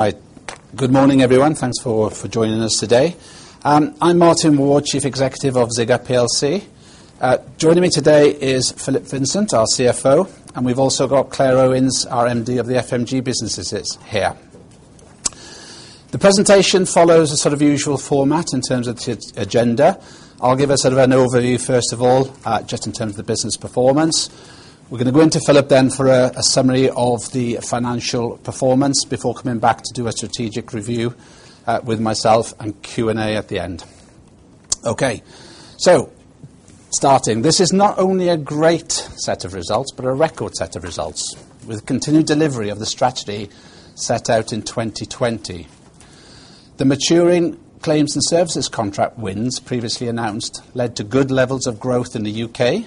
Hi. Good morning, everyone. Thanks for joining us today. I'm Martin Ward, Chief Executive of Zigup PLC. Joining me today is Philip Vincent, our CFO, and we've also got Claire Owens, our MD of the FMG businesses, is here. The presentation follows a sort of usual format in terms of its agenda. I'll give a sort of an overview, first of all, just in terms of the business performance. We're going to go into Philip then for a summary of the financial performance before coming back to do a strategic review, with myself and Q&A at the end. Okay, so starting. This is not only a great set of results, but a record set of results, with continued delivery of the strategy set out in 2020. The maturing claims and services contract wins previously announced led to good levels of growth in the U.K., and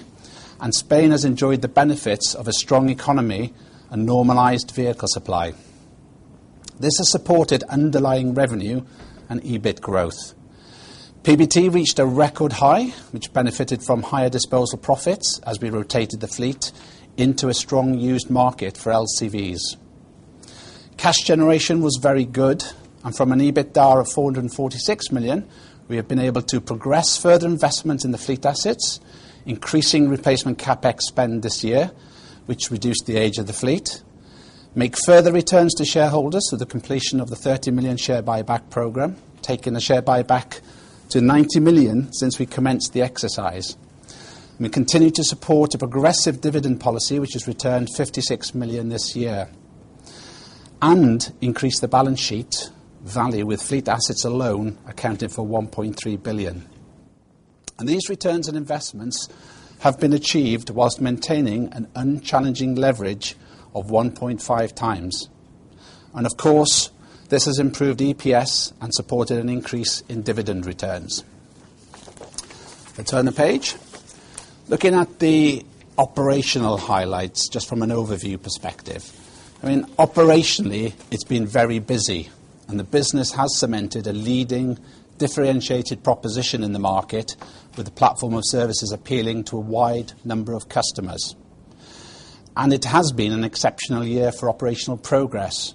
Spain has enjoyed the benefits of a strong economy and normalized vehicle supply. This has supported underlying revenue and EBIT growth. PBT reached a record high, which benefited from higher disposal profits as we rotated the fleet into a strong used market for LCVs. Cash generation was very good, and from an EBITDA of 446 million, we have been able to progress further investment in the fleet assets, increasing replacement CapEx spend this year, which reduced the age of the fleet. Make further returns to shareholders, so the completion of the 30 million share buyback program, taking the share buyback to 90 million since we commenced the exercise. We continue to support a progressive dividend policy, which has returned 56 million this year and increased the balance sheet value, with fleet assets alone accounting for 1.3 billion. These returns and investments have been achieved while maintaining an unchallenging leverage of 1.5x. Of course, this has improved EPS and supported an increase in dividend returns. Let's turn the page. Looking at the operational highlights, just from an overview perspective, I mean, operationally, it's been very busy, and the business has cemented a leading differentiated proposition in the market, with a platform of services appealing to a wide number of customers. It has been an exceptional year for operational progress.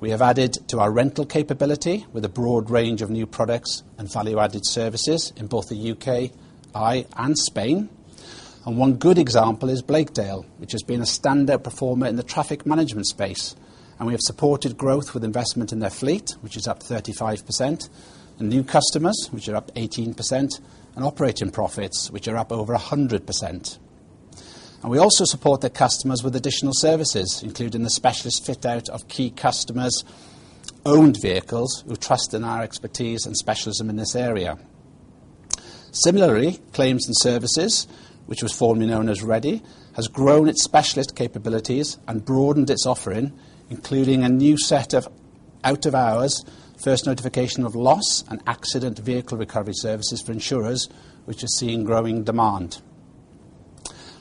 We have added to our rental capability with a broad range of new products and value-added services in both the U.K., Ireland and Spain. One good example is Blakedale, which has been a standout performer in the traffic management space, and we have supported growth with investment in their fleet, which is up 35%, and new customers, which are up 18%, and operating profits, which are up over 100%. We also support their customers with additional services, including the specialist fit out of key customers, owned vehicles, who trust in our expertise and specialism in this area. Similarly, Claims and Services, which was formerly known as Redde, has grown its specialist capabilities and broadened its offering, including a new set of out-of-hours, first notification of loss and accident vehicle recovery services for insurers, which are seeing growing demand.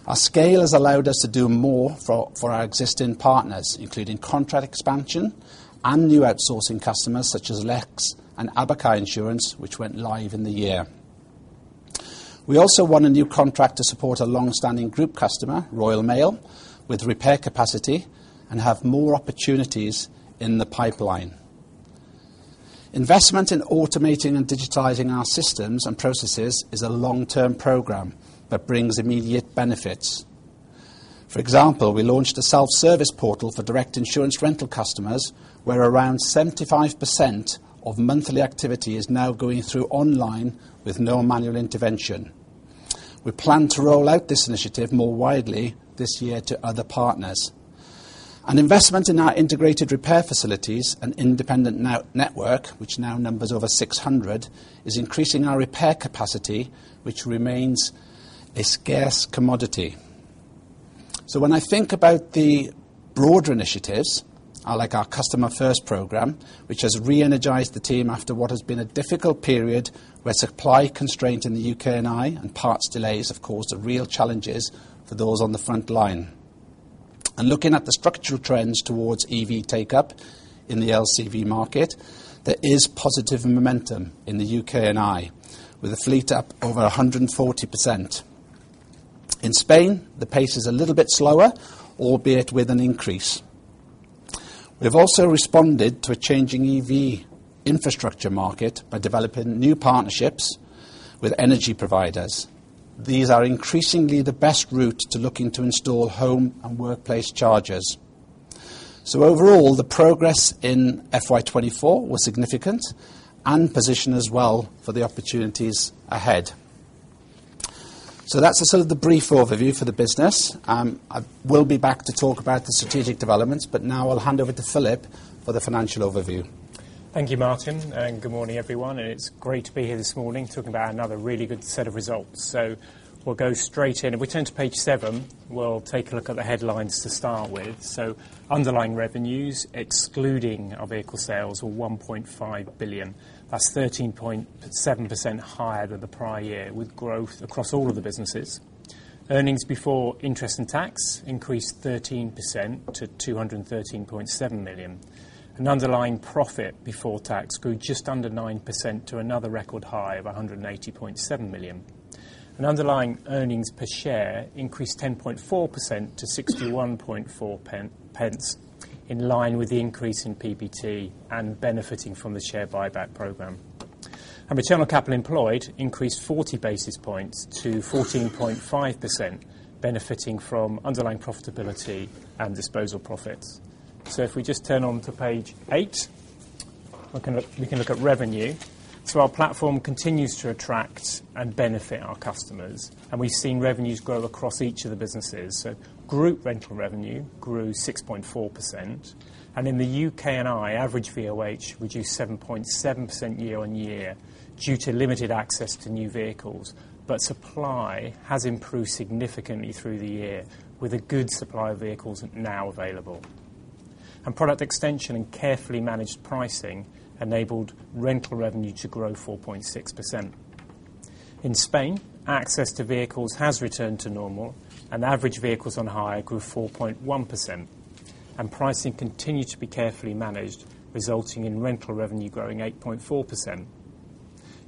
Our scale has allowed us to do more for our existing partners, including contract expansion and new outsourcing customers such as Lex and Abacus Insurance, which went live in the year. We also won a new contract to support a long-standing group customer, Royal Mail, with repair capacity and have more opportunities in the pipeline. Investment in automating and digitizing our systems and processes is a long-term program that brings immediate benefits. For example, we launched a self-service portal for direct insurance rental customers, where around 75% of monthly activity is now going through online with no manual intervention. We plan to roll out this initiative more widely this year to other partners. An investment in our integrated repair facilities and independent network, which now numbers over 600, is increasing our repair capacity, which remains a scarce commodity. So when I think about the broader initiatives, like our Customer First program, which has reenergized the team after what has been a difficult period where supply constraints in the U.K. and Ireland, and parts delays have caused the real challenges for those on the front line. And looking at the structural trends towards EV take up in the LCV market, there is positive momentum in the U.K. and Ireland, with a fleet up over 140%. In Spain, the pace is a little bit slower, albeit with an increase. We've also responded to a changing EV infrastructure market by developing new partnerships with energy providers. These are increasingly the best route to looking to install home and workplace chargers. So overall, the progress in FY 2024 was significant and position us well for the opportunities ahead. That's sort of the brief overview for the business. I will be back to talk about the strategic developments, but now I'll hand over to Philip for the financial overview. Thank you, Martin, and good morning, everyone. It's great to be here this morning talking about another really good set of results. So we'll go straight in. If we turn to page 7, we'll take a look at the headlines to start with. So underlying revenues, excluding our vehicle sales, were 1.5 billion. That's 13.7% higher than the prior year, with growth across all of the businesses. Earnings before interest and tax increased 13% to 213.7 million. An underlying profit before tax grew just under 9% to another record high of 180.7 million. An underlying earnings per share increased 10.4% to 61.4 pence, in line with the increase in PBT and benefiting from the share buyback program. Return on capital employed increased 40 basis points to 14.5%, benefiting from underlying profitability and disposal profits. So if we just turn to page eight, we can look at revenue. So our platform continues to attract and benefit our customers, and we've seen revenues grow across each of the businesses. So group rental revenue grew 6.4%, and in the U.K. and Ireland, average VOH reduced 7.7% year-on-year due to limited access to new vehicles. But supply has improved significantly through the year, with a good supply of vehicles now available. And product extension and carefully managed pricing enabled rental revenue to grow 4.6%. In Spain, access to vehicles has returned to normal, and average vehicles on hire grew 4.1%, and pricing continued to be carefully managed, resulting in rental revenue growing 8.4%.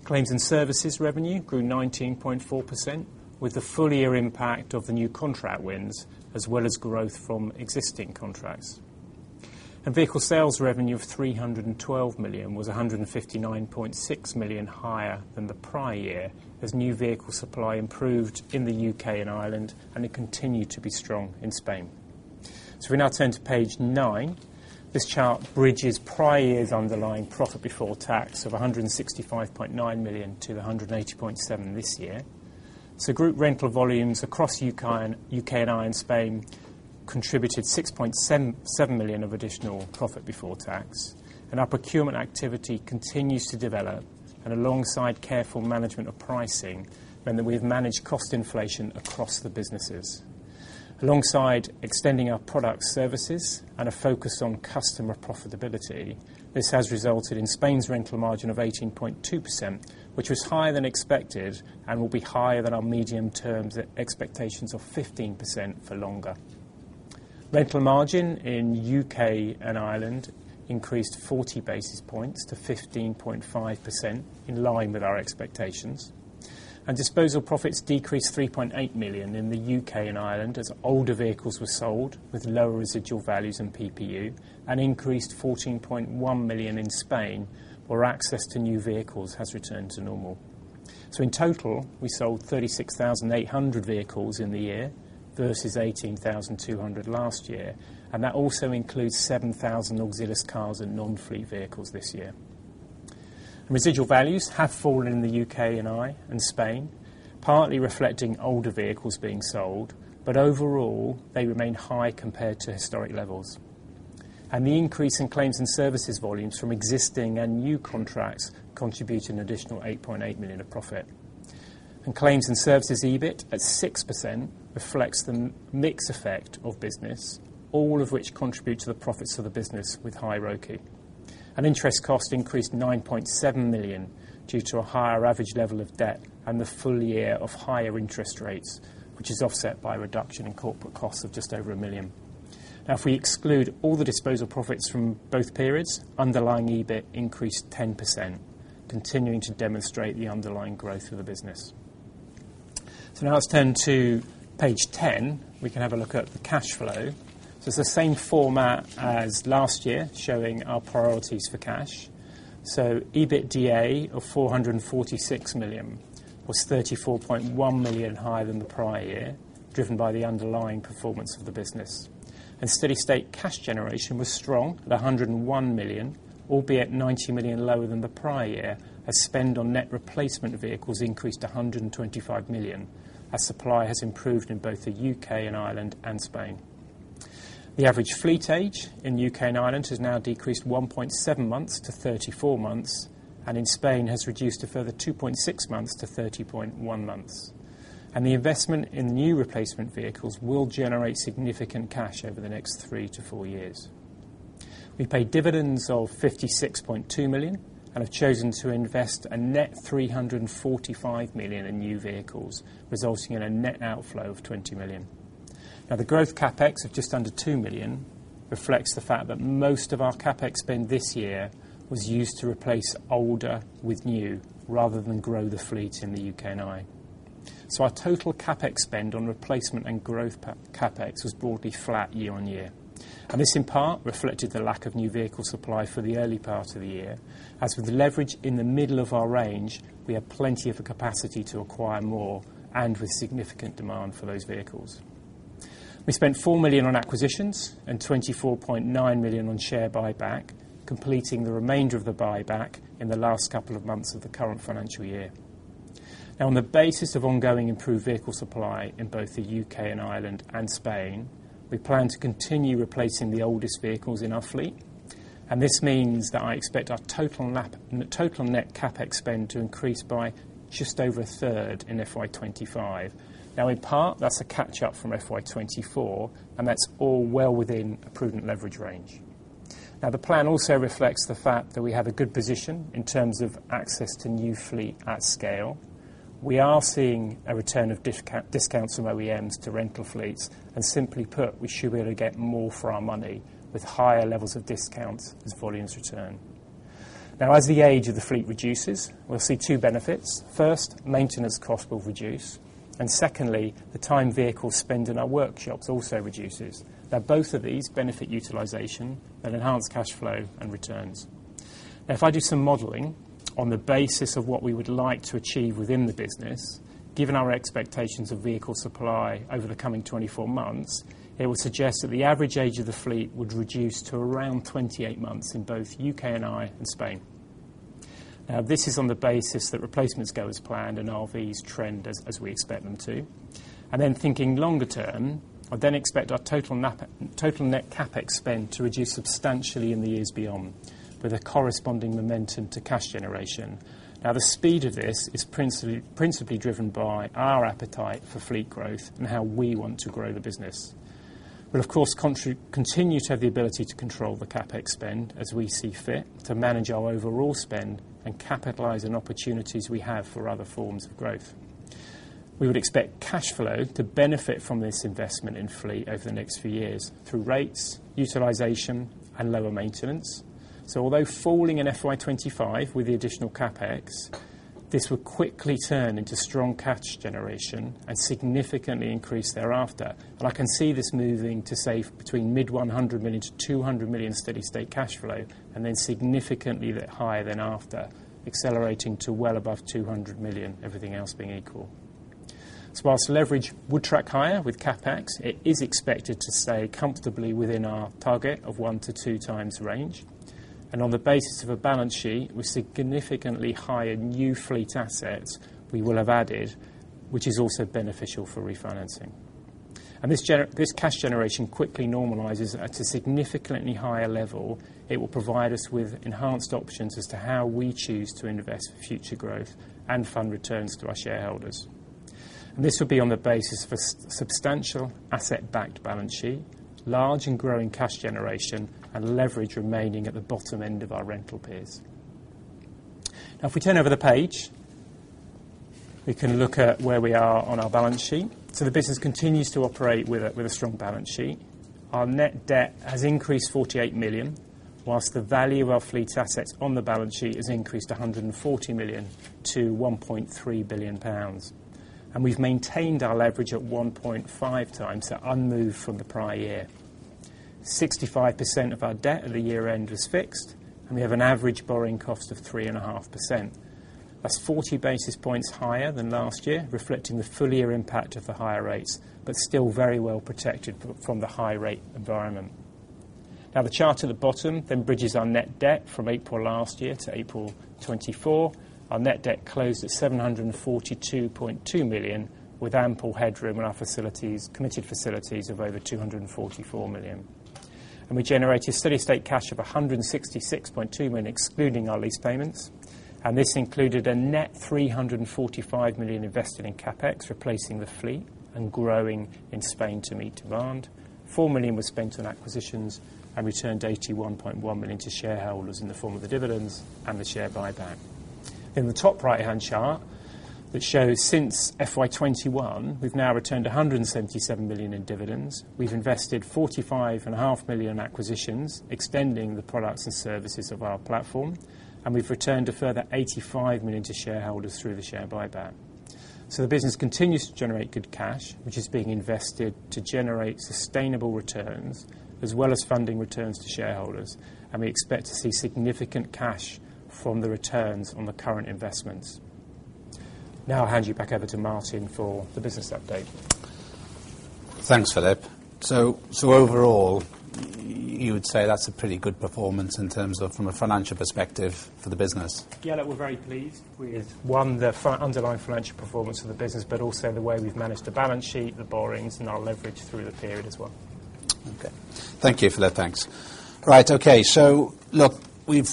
Claims and services revenue grew 19.4%, with the full year impact of the new contract wins, as well as growth from existing contracts. Vehicle sales revenue of 312 million was 159.6 million higher than the prior year, as new vehicle supply improved in the U.K. and Ireland, and it continued to be strong in Spain. We now turn to page nine. This chart bridges prior years' underlying profit before tax of 165.9 to 180.7 million this year. Group rental volumes across U.K. and Ireland and Spain contributed 6.77 million of additional profit before tax, and our procurement activity continues to develop. Alongside careful management of pricing, and that we have managed cost inflation across the businesses. Alongside extending our product services and a focus on customer profitability, this has resulted in Spain's rental margin of 18.2%, which was higher than expected and will be higher than our medium-term expectations of 15% for longer. Rental margin in U.K. and Ireland increased 40 basis points to 15.5%, in line with our expectations, and disposal profits decreased 3.8 million in the U.K. and Ireland, as older vehicles were sold with lower residual values and PPU, and increased 14.1 million in Spain, where access to new vehicles has returned to normal. In total, we sold 36,800 vehicles in the year versus 18,200 last year, and that also includes 7,000 Auxilis cars and non-fleet vehicles this year. Residual values have fallen in the U.K. and Ireland and Spain, partly reflecting older vehicles being sold, but overall, they remain high compared to historic levels. The increase in claims and services volumes from existing and new contracts contributed an additional 8.8 million of profit. Claims and services EBIT, at 6%, reflects the mix effect of business, all of which contribute to the profits of the business with high ROCE. Interest costs increased 9.7 million due to a higher average level of debt and the full year of higher interest rates, which is offset by a reduction in corporate costs of just over 1 million. Now, if we exclude all the disposal profits from both periods, underlying EBIT increased 10%, continuing to demonstrate the underlying growth of the business. So now let's turn to page 10. We can have a look at the cash flow. So it's the same format as last year, showing our priorities for cash. So EBITDA of 446 million was 34.1 million higher than the prior year, driven by the underlying performance of the business. And steady-state cash generation was strong at 101 million, will be 90 million lower than the prior year, as spend on net replacement vehicles increased to 125 million, as supply has improved in both the U.K. and Ireland and Spain. The average fleet age in the U.K. and Ireland has now decreased 1.7 months to 34 months, and in Spain, has reduced a further 2.6 months to 30.1 months. The investment in new replacement vehicles will generate significant cash over the next three to four years. We paid dividends of 56.2 million and have chosen to invest a net 345 million in new vehicles, resulting in a net outflow of 20 million. Now, the growth CapEx of just under 2 million reflects the fact that most of our CapEx spend this year was used to replace older with new, rather than grow the fleet in the U.K. and Ireland. So our total CapEx spend on replacement and growth CapEx was broadly flat year-on-year, and this in part reflected the lack of new vehicle supply for the early part of the year. As with the leverage in the middle of our range, we have plenty of capacity to acquire more and with significant demand for those vehicles. We spent 4 million on acquisitions and 24.9 million on share buyback, completing the remainder of the buyback in the last couple of months of the current financial year. Now, on the basis of ongoing improved vehicle supply in both the U.K. and Ireland and Spain, we plan to continue replacing the oldest vehicles in our fleet, and this means that I expect our total net CapEx spend to increase by just over a third in FY 2025. Now, in part, that's a catch-up from FY 2024, and that's all well within a prudent leverage range. Now, the plan also reflects the fact that we have a good position in terms of access to new fleet at scale. We are seeing a return of discounts from OEMs to rental fleets, and simply put, we should be able to get more for our money with higher levels of discounts as volumes return. Now, as the age of the fleet reduces, we'll see two benefits. First, maintenance costs will reduce. And secondly, the time vehicles spend in our workshops also reduces. Now, both of these benefit utilization and enhance cash flow and returns. Now, if I do some modeling on the basis of what we would like to achieve within the business, given our expectations of vehicle supply over the coming 24 months, it would suggest that the average age of the fleet would reduce to around 28 months in both U.K. and Ireland, and Spain. Now, this is on the basis that replacements go as planned, and RVs trend as we expect them to. And then thinking longer term, I'd then expect our total net CapEx spend to reduce substantially in the years beyond, with a corresponding momentum to cash generation. Now, the speed of this is principally driven by our appetite for fleet growth and how we want to grow the business. We'll, of course, continue to have the ability to control the CapEx spend as we see fit, to manage our overall spend and capitalize on opportunities we have for other forms of growth. We would expect cash flow to benefit from this investment in fleet over the next few years, through rates, utilization, and lower maintenance. So although falling in FY 2025 with the additional CapEx, this will quickly turn into strong cash generation and significantly increase thereafter. But I can see this moving to, say, between mid-GBP 100 to 200 million steady state cash flow, and then significantly higher than after, accelerating to well above 200 million, everything else being equal. So whilst leverage would track higher with CapEx, it is expected to stay comfortably within our target of 1-2x range. And on the basis of a balance sheet, with significantly higher new fleet assets we will have added, which is also beneficial for refinancing. And this cash generation quickly normalizes at a significantly higher level. It will provide us with enhanced options as to how we choose to invest for future growth and fund returns to our shareholders. And this will be on the basis of a substantial asset-backed balance sheet, large and growing cash generation, and leverage remaining at the bottom end of our rental peers. Now, if we turn over the page, we can look at where we are on our balance sheet. So the business continues to operate with a strong balance sheet. Our net debt has increased 48 million, while the value of our fleet's assets on the balance sheet has increased 140 million to 1.3 billion. We've maintained our leverage at 1.5x, so unmoved from the prior year. 65% of our debt at the year-end was fixed, and we have an average borrowing cost of 3.5%. That's 40 basis points higher than last year, reflecting the full year impact of the higher rates, but still very well protected from the high rate environment. Now, the chart at the bottom then bridges our net debt from April last year to April 2024. Our net debt closed at 742.2 million, with ample headroom in our facilities, committed facilities of over 244 million. We generated steady state cash of 166.2 million, excluding our lease payments, and this included a net 345 million invested in CapEx, replacing the fleet and growing in Spain to meet demand. 4 million was spent on acquisitions, and we turned 81.1 million to shareholders in the form of the dividends and the share buyback. In the top right-hand chart, which shows since FY 2021, we've now returned 177 million in dividends. We've invested 45.5 million acquisitions, extending the products and services of our platform, and we've returned a further 85 million to shareholders through the share buyback. The business continues to generate good cash, which is being invested to generate sustainable returns, as well as funding returns to shareholders, and we expect to see significant cash from the returns on the current investments. Now I'll hand you back over to Martin for the business update. Thanks, Philip. So overall, you would say that's a pretty good performance in terms of from a financial perspective for the business? Yeah, look, we're very pleased with, one, the underlying financial performance of the business, but also the way we've managed the balance sheet, the borrowings, and our leverage through the period as well. Okay. Thank you, Philip. Thanks. Right. Okay, so look, we've...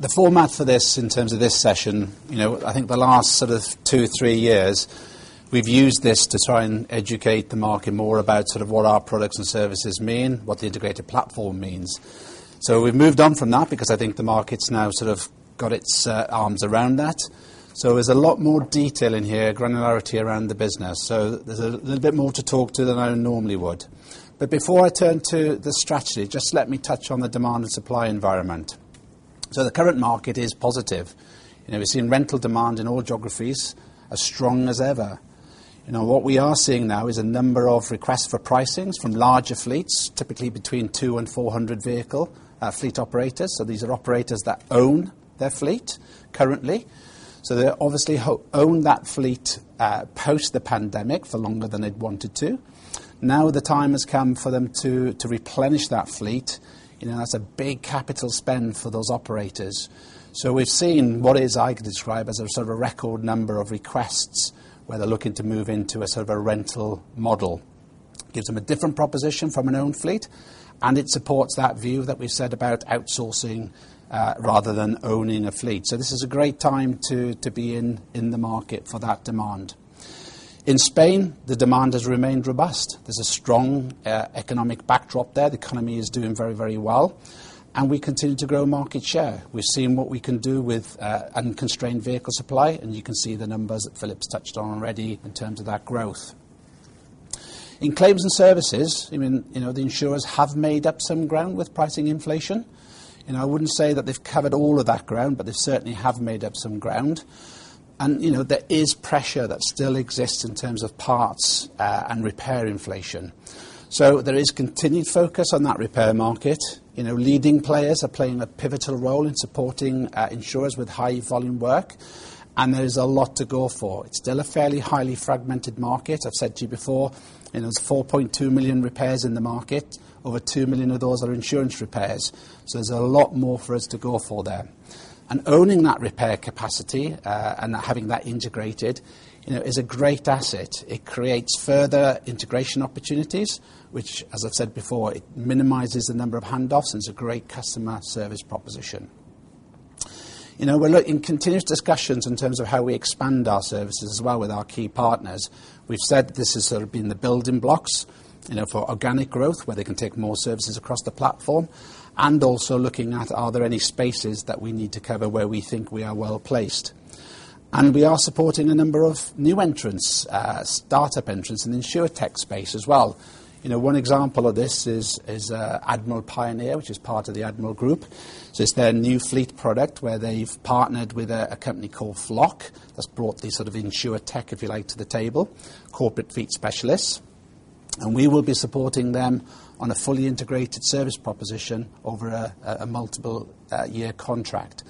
The format for this, in terms of this session, you know, I think the last sort of two, three years, we've used this to try and educate the market more about sort of what our products and services mean, what the integrated platform means. So we've moved on from that, because I think the market's now sort of got its arms around that. So there's a lot more detail in here, granularity around the business, so there's a little bit more to talk to than I normally would. But before I turn to the strategy, just let me touch on the demand and supply environment. So the current market is positive, and we've seen rental demand in all geographies as strong as ever. You know, what we are seeing now is a number of requests for pricings from larger fleets, typically between 200- and 400-vehicle fleet operators. So these are operators that own their fleet currently. So they obviously owned that fleet post the pandemic for longer than they'd wanted to. Now, the time has come for them to replenish that fleet. You know, that's a big capital spend for those operators. So we've seen what I can describe as a sort of a record number of requests, where they're looking to move into a sort of a rental model. Gives them a different proposition from an owned fleet, and it supports that view that we've said about outsourcing rather than owning a fleet. So this is a great time to be in the market for that demand. In Spain, the demand has remained robust. There's a strong, economic backdrop there. The economy is doing very, very well, and we continue to grow market share. We've seen what we can do with, unconstrained vehicle supply, and you can see the numbers that Philip's touched on already in terms of that growth.... In claims and services, I mean, you know, the insurers have made up some ground with pricing inflation. You know, I wouldn't say that they've covered all of that ground, but they certainly have made up some ground. You know, there is pressure that still exists in terms of parts, and repair inflation. There is continued focus on that repair market. You know, leading players are playing a pivotal role in supporting, insurers with high volume work, and there is a lot to go for. It's still a fairly highly fragmented market. I've said to you before, you know, there's 4.2 million repairs in the market. Over 2 million of those are insurance repairs, so there's a lot more for us to go for there. And owning that repair capacity and having that integrated, you know, is a great asset. It creates further integration opportunities, which, as I've said before, it minimizes the number of handoffs, and it's a great customer service proposition. You know, we're in continuous discussions in terms of how we expand our services as well with our key partners. We've said this has sort of been the building blocks, you know, for organic growth, where they can take more services across the platform, and also looking at are there any spaces that we need to cover where we think we are well placed? We are supporting a number of new entrants, start-up entrants in the insurtech space as well. You know, one example of this is Admiral Pioneer, which is part of the Admiral Group. So it's their new fleet product, where they've partnered with a company called Flock. That's brought the sort of insurtech, if you like, to the table, corporate fleet specialists. And we will be supporting them on a fully integrated service proposition over a multiple year contract.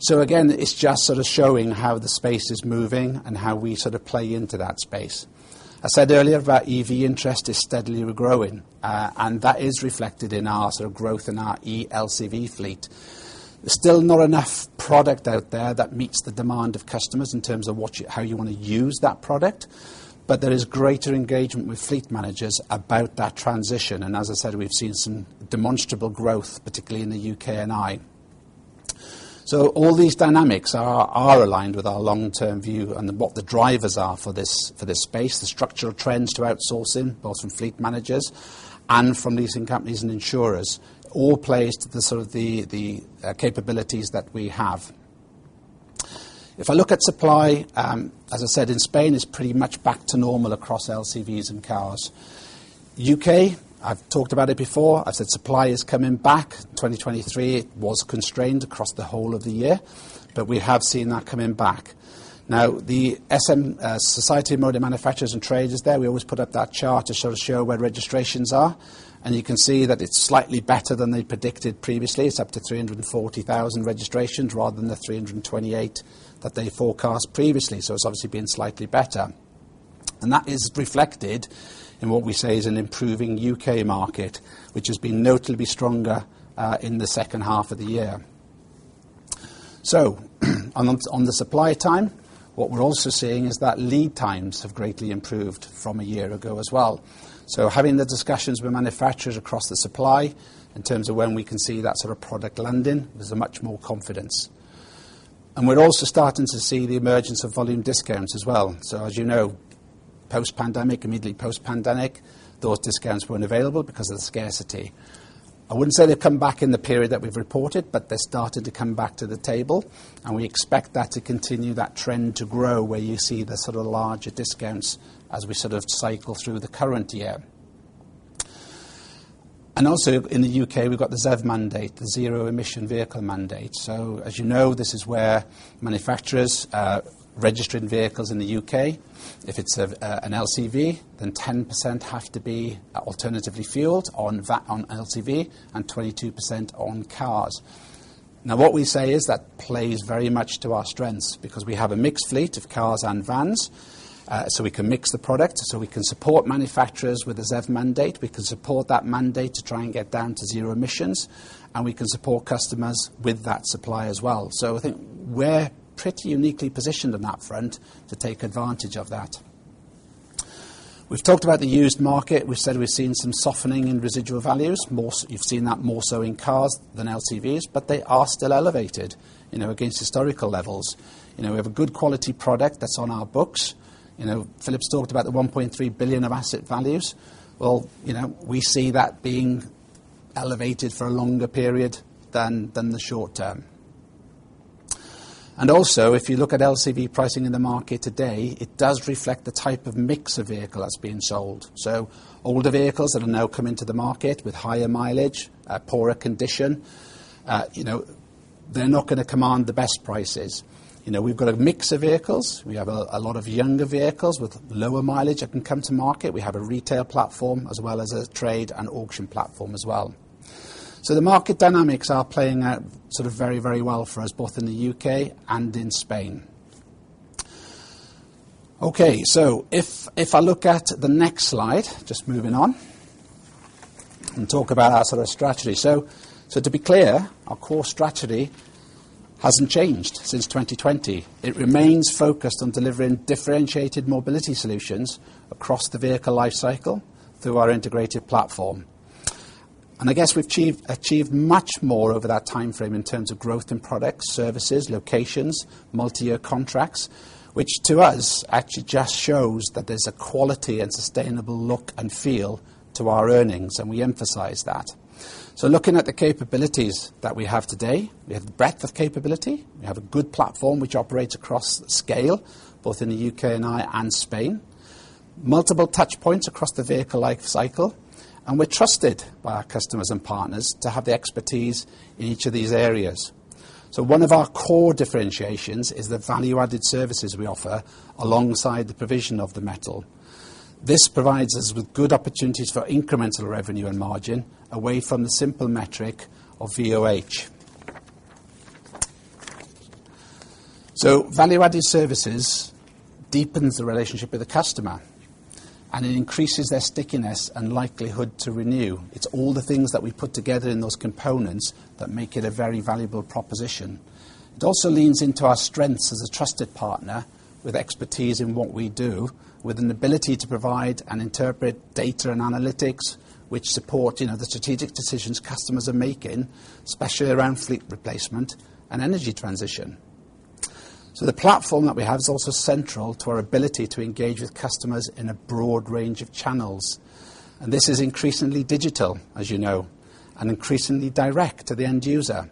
So again, it's just sort of showing how the space is moving and how we sort of play into that space. I said earlier that EV interest is steadily regrowing, and that is reflected in our sort of growth in our ELCV fleet. There's still not enough product out there that meets the demand of customers in terms of what you--how you want to use that product, but there is greater engagement with fleet managers about that transition, and as I said, we've seen some demonstrable growth, particularly in the UK&I. So all these dynamics are, are aligned with our long-term view and what the drivers are for this, for this space. The structural trends to outsourcing, both from fleet managers and from leasing companies and insurers, all plays to the sort of the, the, capabilities that we have. If I look at supply, as I said, in Spain, it's pretty much back to normal across LCVs and cars. U.K., I've talked about it before. I said supply is coming back. 2023 was constrained across the whole of the year, but we have seen that coming back. Now, the SMMT, Society of Motor Manufacturers and Traders there, we always put up that chart to sort of show where registrations are, and you can see that it's slightly better than they predicted previously. It's up to 340,000 registrations rather than the 328 that they forecast previously, so it's obviously been slightly better. And that is reflected in what we say is an improving U.K. market, which has been notably stronger in the second half of the year. So on the supply time, what we're also seeing is that lead times have greatly improved from a year ago as well. So having the discussions with manufacturers across the supply, in terms of when we can see that sort of product landing, there's a much more confidence. We're also starting to see the emergence of volume discounts as well. So as you know, post-pandemic, immediately post-pandemic, those discounts weren't available because of the scarcity. I wouldn't say they've come back in the period that we've reported, but they started to come back to the table, and we expect that to continue, that trend to grow, where you see the sort of larger discounts as we sort of cycle through the current year. And also in the U.K., we've got the ZEV mandate, the Zero Emission Vehicle mandate. So as you know, this is where manufacturers registering vehicles in the U.K., if it's an LCV, then 10% have to be alternatively fueled on vans, on LCV, and 22% on cars. Now, what we say is that plays very much to our strengths because we have a mixed fleet of cars and vans. So we can mix the product, so we can support manufacturers with the ZEV mandate. We can support that mandate to try and get down to zero emissions, and we can support customers with that supply as well. So I think we're pretty uniquely positioned on that front to take advantage of that. We've talked about the used market. We've said we've seen some softening in residual values. You've seen that more so in cars than LCVs, but they are still elevated, you know, against historical levels. You know, we have a good quality product that's on our books. You know, Philip's talked about the 1.3 billion of asset values. Well, you know, we see that being elevated for a longer period than, than the short term. And also, if you look at LCV pricing in the market today, it does reflect the type of mix of vehicle that's being sold. So older vehicles that are now coming to the market with higher mileage, poorer condition, you know, they're not gonna command the best prices. You know, we've got a mix of vehicles. We have a lot of younger vehicles with lower mileage that can come to market. We have a retail platform, as well as a trade and auction platform as well. So the market dynamics are playing out sort of very, very well for us, both in the U.K. and in Spain. Okay, so if I look at the next slide, just moving on, and talk about our sort of strategy. So to be clear, our core strategy hasn't changed since 2020. It remains focused on delivering differentiated mobility solutions across the vehicle life cycle through our integrated platform. I guess we've achieved much more over that timeframe in terms of growth in products, services, locations, multi-year contracts, which to us actually just shows that there's a quality and sustainable look and feel to our earnings, and we emphasize that. Looking at the capabilities that we have today, we have the breadth of capability. We have a good platform which operates across scale, both in the U.K. and Ireland and Spain, multiple touch points across the vehicle life cycle, and we're trusted by our customers and partners to have the expertise in each of these areas. One of our core differentiations is the value-added services we offer, alongside the provision of the metal. This provides us with good opportunities for incremental revenue and margin away from the simple metric of VOH. So value-added services deepens the relationship with the customer, and it increases their stickiness and likelihood to renew. It's all the things that we put together in those components that make it a very valuable proposition. It also leans into our strengths as a trusted partner with expertise in what we do, with an ability to provide and interpret data and analytics, which support, you know, the strategic decisions customers are making, especially around fleet replacement and energy transition. So the platform that we have is also central to our ability to engage with customers in a broad range of channels, and this is increasingly digital, as you know, and increasingly direct to the end user.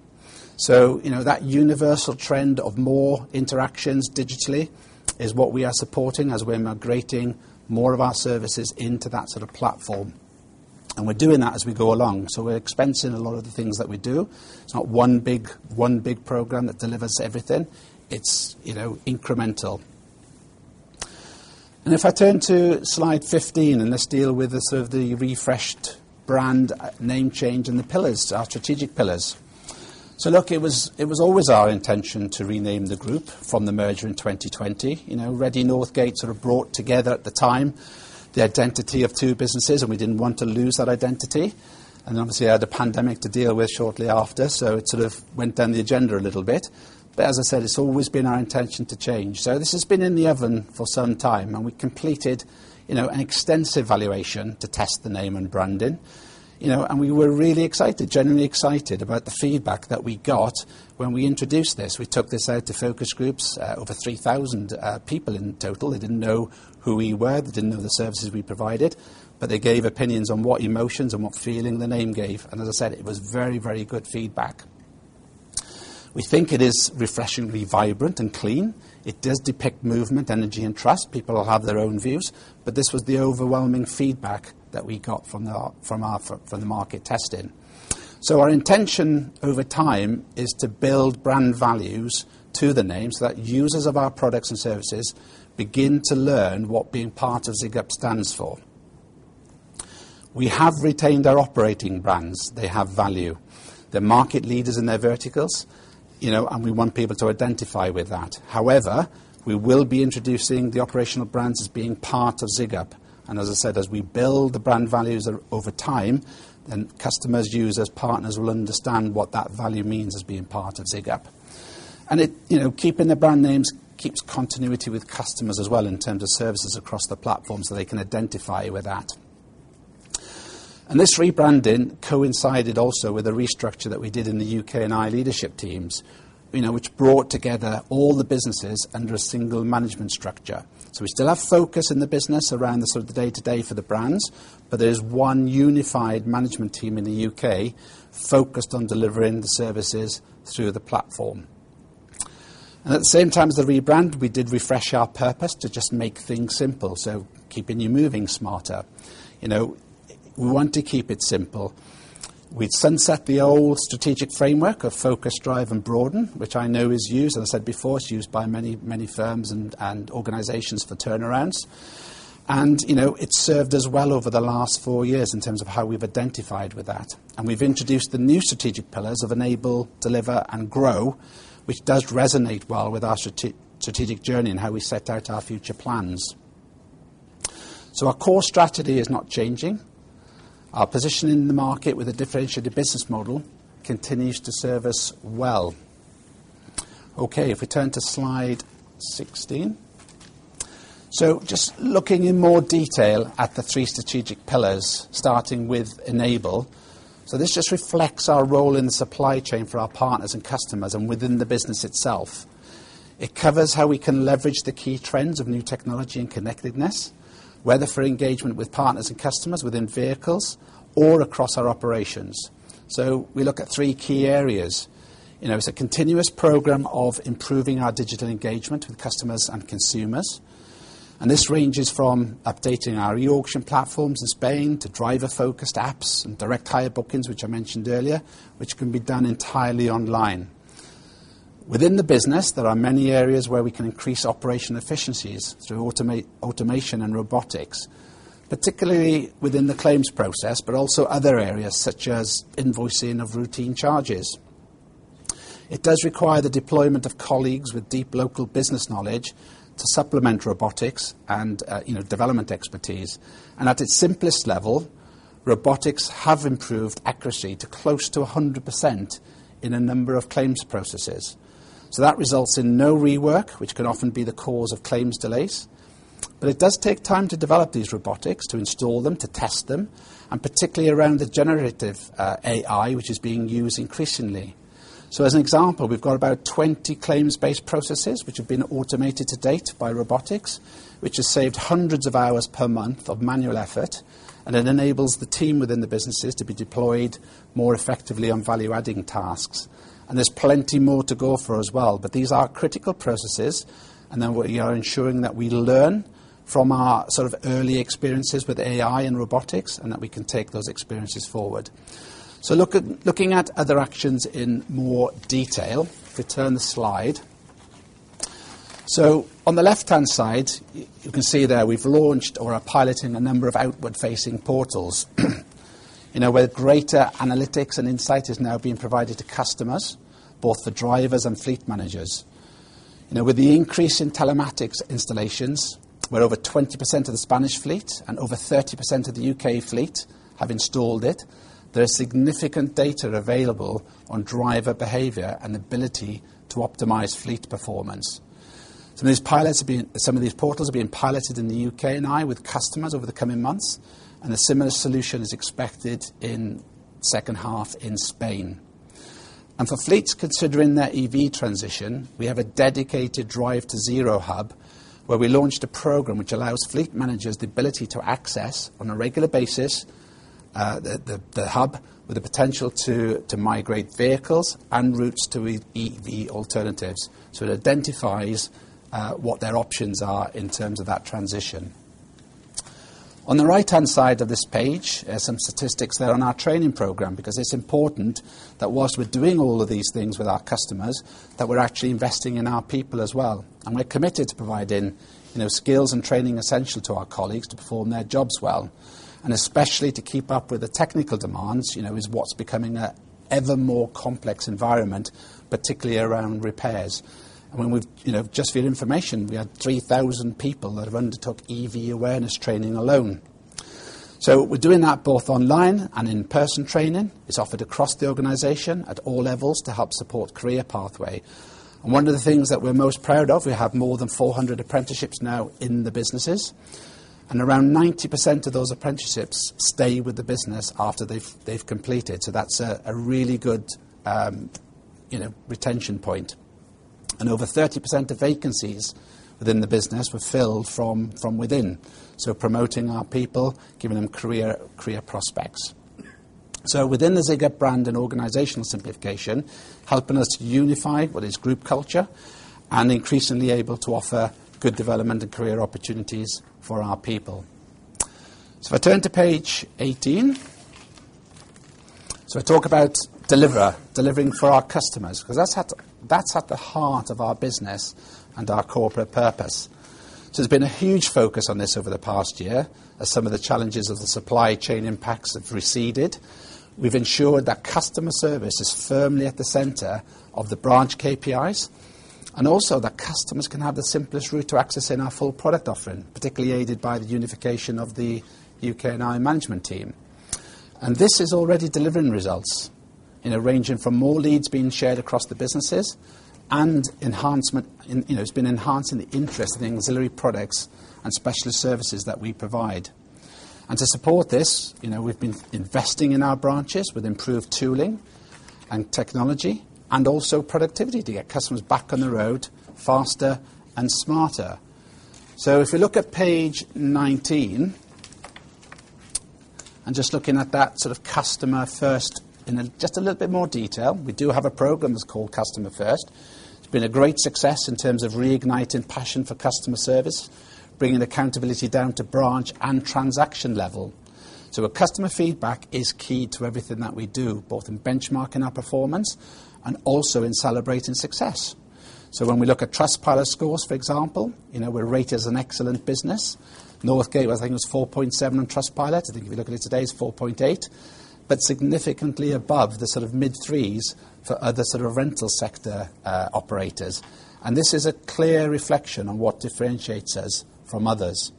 So, you know, that universal trend of more interactions digitally is what we are supporting as we're migrating more of our services into that sort of platform, and we're doing that as we go along. So we're expensing a lot of the things that we do. It's not one big, one big program that delivers everything. It's, you know, incremental. And if I turn to slide 15, and let's deal with the sort of the refreshed brand, name change and the pillars, our strategic pillars. So look, it was, it was always our intention to rename the group from the merger in 2020. You know, Redde Northgate sort of brought together at the time the identity of two businesses, and we didn't want to lose that identity. Obviously, we had a pandemic to deal with shortly after, so it sort of went down the agenda a little bit. But as I said, it's always been our intention to change. So this has been in the oven for some time, and we completed, you know, an extensive valuation to test the name and branding. You know, and we were really excited, genuinely excited about the feedback that we got when we introduced this. We took this out to focus groups, over 3,000 people in total. They didn't know who we were, they didn't know the services we provided, but they gave opinions on what emotions and what feeling the name gave. And as I said, it was very, very good feedback. We think it is refreshingly vibrant and clean. It does depict movement, energy, and trust. People will have their own views, but this was the overwhelming feedback that we got from our market testing. So our intention over time is to build brand values to the names that users of our products and services begin to learn what being part of Zigup stands for. We have retained our operating brands. They have value. They're market leaders in their verticals, you know, and we want people to identify with that. However, we will be introducing the operational brands as being part of Zigup, and as I said, as we build the brand values over time, then customers, users, partners will understand what that value means as being part of Zigup. You know, keeping the brand names keeps continuity with customers as well in terms of services across the platform, so they can identify with that. This rebranding coincided also with a restructure that we did in the U.K. and Ireland leadership teams, you know, which brought together all the businesses under a single management structure. So we still have focus in the business around the sort of the day-to-day for the brands, but there's one unified management team in the U.K. focused on delivering the services through the platform. And at the same time as the rebrand, we did refresh our purpose to just make things simple, so keeping you moving smarter. You know, we want to keep it simple. We've sunset the old strategic framework of focus, drive, and broaden, which I know is used, as I said before, it's used by many, many firms and organizations for turnarounds. And, you know, it's served us well over the last four years in terms of how we've identified with that. We've introduced the new strategic pillars of enable, deliver, and grow, which does resonate well with our strategic, strategic journey and how we set out our future plans. Our core strategy is not changing. Our position in the market with a differentiated business model continues to serve us well. Okay, if we turn to slide 16. Just looking in more detail at the three strategic pillars, starting with enable. This just reflects our role in the supply chain for our partners and customers and within the business itself. It covers how we can leverage the key trends of new technology and connectedness, whether for engagement with partners and customers within vehicles or across our operations. We look at three key areas. You know, it's a continuous program of improving our digital engagement with customers and consumers, and this ranges from updating our e-auction platforms in Spain to driver-focused apps and direct hire bookings, which I mentioned earlier, which can be done entirely online. Within the business, there are many areas where we can increase operation efficiencies through automation and robotics, particularly within the claims process, but also other areas such as invoicing of routine charges. It does require the deployment of colleagues with deep local business knowledge to supplement robotics and, you know, development expertise. And at its simplest level, robotics have improved accuracy to close to 100% in a number of claims processes. So that results in no rework, which can often be the cause of claims delays. But it does take time to develop these robotics, to install them, to test them, and particularly around the generative AI, which is being used increasingly. So as an example, we've got about 20 claims-based processes which have been automated to date by robotics, which has saved hundreds of hours per month of manual effort, and it enables the team within the businesses to be deployed more effectively on value-adding tasks. And there's plenty more to go for as well, but these are critical processes, and then we are ensuring that we learn from our sort of early experiences with AI and robotics, and that we can take those experiences forward. So looking at other actions in more detail, if we turn the slide. So on the left-hand side, you can see there we've launched or are piloting a number of outward-facing portals. You know, where greater analytics and insight is now being provided to customers, both the drivers and fleet managers. You know, with the increase in telematics installations, where over 20% of the Spanish fleet and over 30% of the U.K. fleet have installed it, there are significant data available on driver behavior and ability to optimize fleet performance. So some of these portals are being piloted in the U.K. with customers over the coming months, and a similar solution is expected in second half in Spain. And for fleets considering their EV transition, we have a dedicated Drive to Zero Hub, where we launched a program which allows fleet managers the ability to access, on a regular basis, the hub, with the potential to migrate vehicles and routes to EV, EV alternatives. So it identifies what their options are in terms of that transition. On the right-hand side of this page, there are some statistics there on our training program, because it's important that whilst we're doing all of these things with our customers, that we're actually investing in our people as well. And we're committed to providing, you know, skills and training essential to our colleagues to perform their jobs well, and especially to keep up with the technical demands, you know, is what's becoming an ever more complex environment, particularly around repairs. You know, just for your information, we had 3,000 people that have undertook EV awareness training alone. So we're doing that both online and in-person training. It's offered across the organization at all levels to help support career pathway. One of the things that we're most proud of, we have more than 400 apprenticeships now in the businesses, and around 90% of those apprenticeships stay with the business after they've completed. So that's a really good, you know, retention point. And over 30% of vacancies within the business were filled from within. So promoting our people, giving them career prospects. So within the Zigup brand and organizational simplification, helping us unify what is group culture and increasingly able to offer good development and career opportunities for our people. So if I turn to page 18. So I talk about delivering for our customers, because that's at the heart of our business and our corporate purpose. So there's been a huge focus on this over the past year, as some of the challenges of the supply chain impacts have receded. We've ensured that customer service is firmly at the center of the branch KPIs, and also that customers can have the simplest route to accessing our full product offering, particularly aided by the unification of the U.K. and Ireland management team. And this is already delivering results, you know, ranging from more leads being shared across the businesses, you know, it's been enhancing the interest in ancillary products and specialist services that we provide. And to support this, you know, we've been investing in our branches with improved tooling and technology, and also productivity to get customers back on the road faster and smarter. So if we look at page 19, and just looking at that sort of Customer First in just a little bit more detail. We do have a program that's called Customer First. It's been a great success in terms of reigniting passion for customer service, bringing accountability down to branch and transaction level. So a customer feedback is key to everything that we do, both in benchmarking our performance and also in celebrating success. So when we look at Trustpilot scores, for example, you know, we're rated as an excellent business. Northgate, I think, it was 4.7 on Trustpilot. I think if you look at it today, it's 4.8, but significantly above the sort of mid-3s for other sort of rental sector operators. And this is a clear reflection on what differentiates us from others.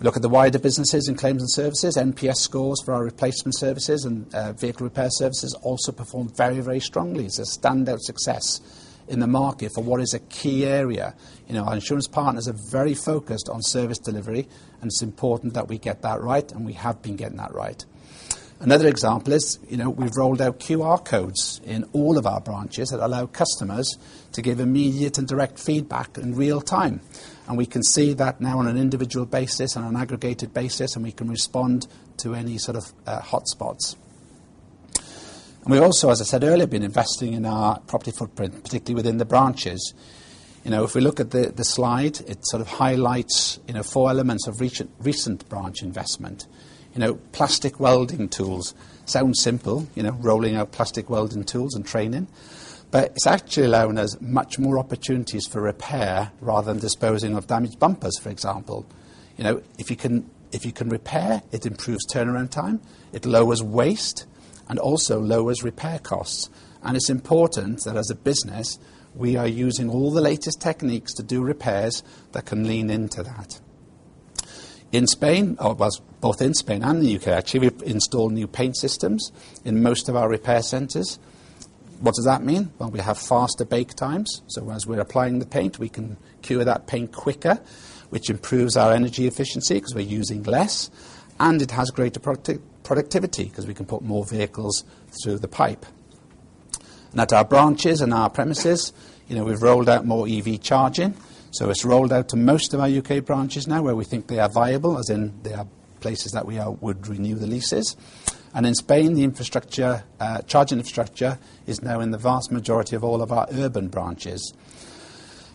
Look at the wider businesses in claims and services, NPS scores for our replacement services and vehicle repair services also perform very, very strongly. It's a standout success in the market for what is a key area. You know, our insurance partners are very focused on service delivery, and it's important that we get that right, and we have been getting that right. Another example is, you know, we've rolled out QR codes in all of our branches that allow customers to give immediate and direct feedback in real time. And we can see that now on an individual basis and on an aggregated basis, and we can respond to any sort of hotspots. And we also, as I said earlier, been investing in our property footprint, particularly within the branches. You know, if we look at the slide, it sort of highlights, you know, four elements of recent branch investment. You know, plastic welding tools. Sounds simple, you know, rolling out plastic welding tools and training, but it's actually allowing us much more opportunities for repair rather than disposing of damaged bumpers, for example. You know, if you can repair, it improves turnaround time, it lowers waste, and also lowers repair costs. It's important that as a business, we are using all the latest techniques to do repairs that can lean into that. In Spain, or well, both in Spain and the U.K., actually, we've installed new paint systems in most of our repair centers. What does that mean? Well, we have faster bake times, so as we're applying the paint, we can cure that paint quicker, which improves our energy efficiency because we're using less, and it has greater product-productivity because we can put more vehicles through the pipe. And at our branches and our premises, you know, we've rolled out more EV charging, so it's rolled out to most of our U.K. branches now, where we think they are viable, as in they are places that we are, would renew the leases. And in Spain, the infrastructure, charging infrastructure is now in the vast majority of all of our urban branches.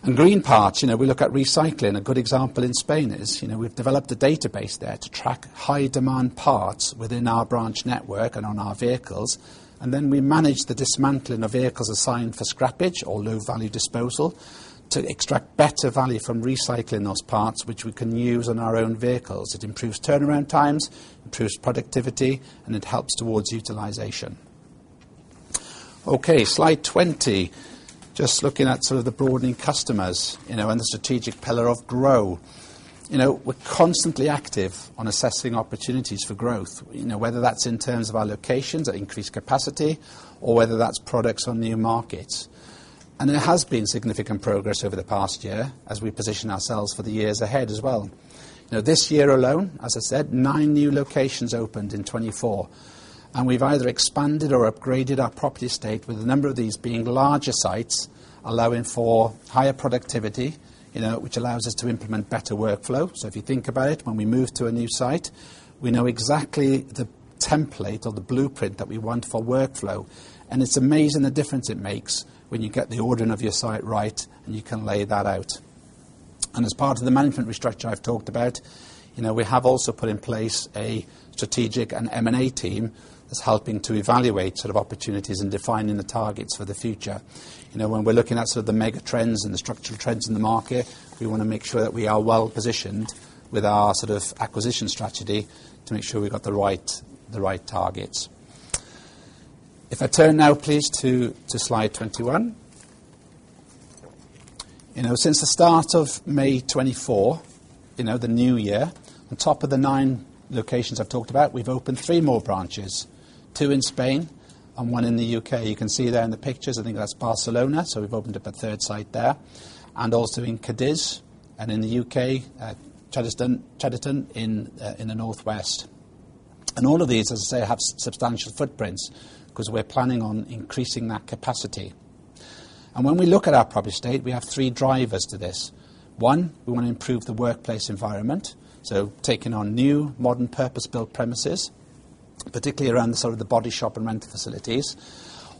And green parts, you know, we look at recycling. A good example in Spain is, you know, we've developed a database there to track high-demand parts within our branch network and on our vehicles, and then we manage the dismantling of vehicles assigned for scrappage or low-value disposal to extract better value from recycling those parts, which we can use on our own vehicles. It improves turnaround times, improves productivity, and it helps towards utilization. Okay, slide 20. Just looking at sort of the broadening customers, you know, and the strategic pillar of growth. You know, we're constantly active on assessing opportunities for growth, you know, whether that's in terms of our locations or increased capacity or whether that's products on new markets. There has been significant progress over the past year as we position ourselves for the years ahead as well. You know, this year alone, as I said, nine new locations opened in 2024, and we've either expanded or upgraded our property estate, with a number of these being larger sites, allowing for higher productivity, you know, which allows us to implement better workflow. So if you think about it, when we move to a new site, we know exactly the template or the blueprint that we want for workflow. And it's amazing the difference it makes when you get the ordering of your site right, and you can lay that out. And as part of the management restructure I've talked about, you know, we have also put in place a strategic and M&A team that's helping to evaluate sort of opportunities and defining the targets for the future. You know, when we're looking at sort of the mega trends and the structural trends in the market, we want to make sure that we are well-positioned with our sort of acquisition strategy to make sure we've got the right, the right targets. If I turn now, please, to, to slide 21. You know, since the start of May 2024, you know, the new year, on top of the nine locations I've talked about, we've opened three more branches, two in Spain and one in the U.K.. You can see there in the pictures, I think that's Barcelona, so we've opened up a third site there, and also in Cádiz and in the U.K., at Chadderton, Chadderton in, in the northwest. And all of these, as I say, have substantial footprints because we're planning on increasing that capacity. When we look at our property estate, we have three drivers to this. One, we want to improve the workplace environment, so taking on new, modern, purpose-built premises, particularly around the sort of the body shop and rental facilities.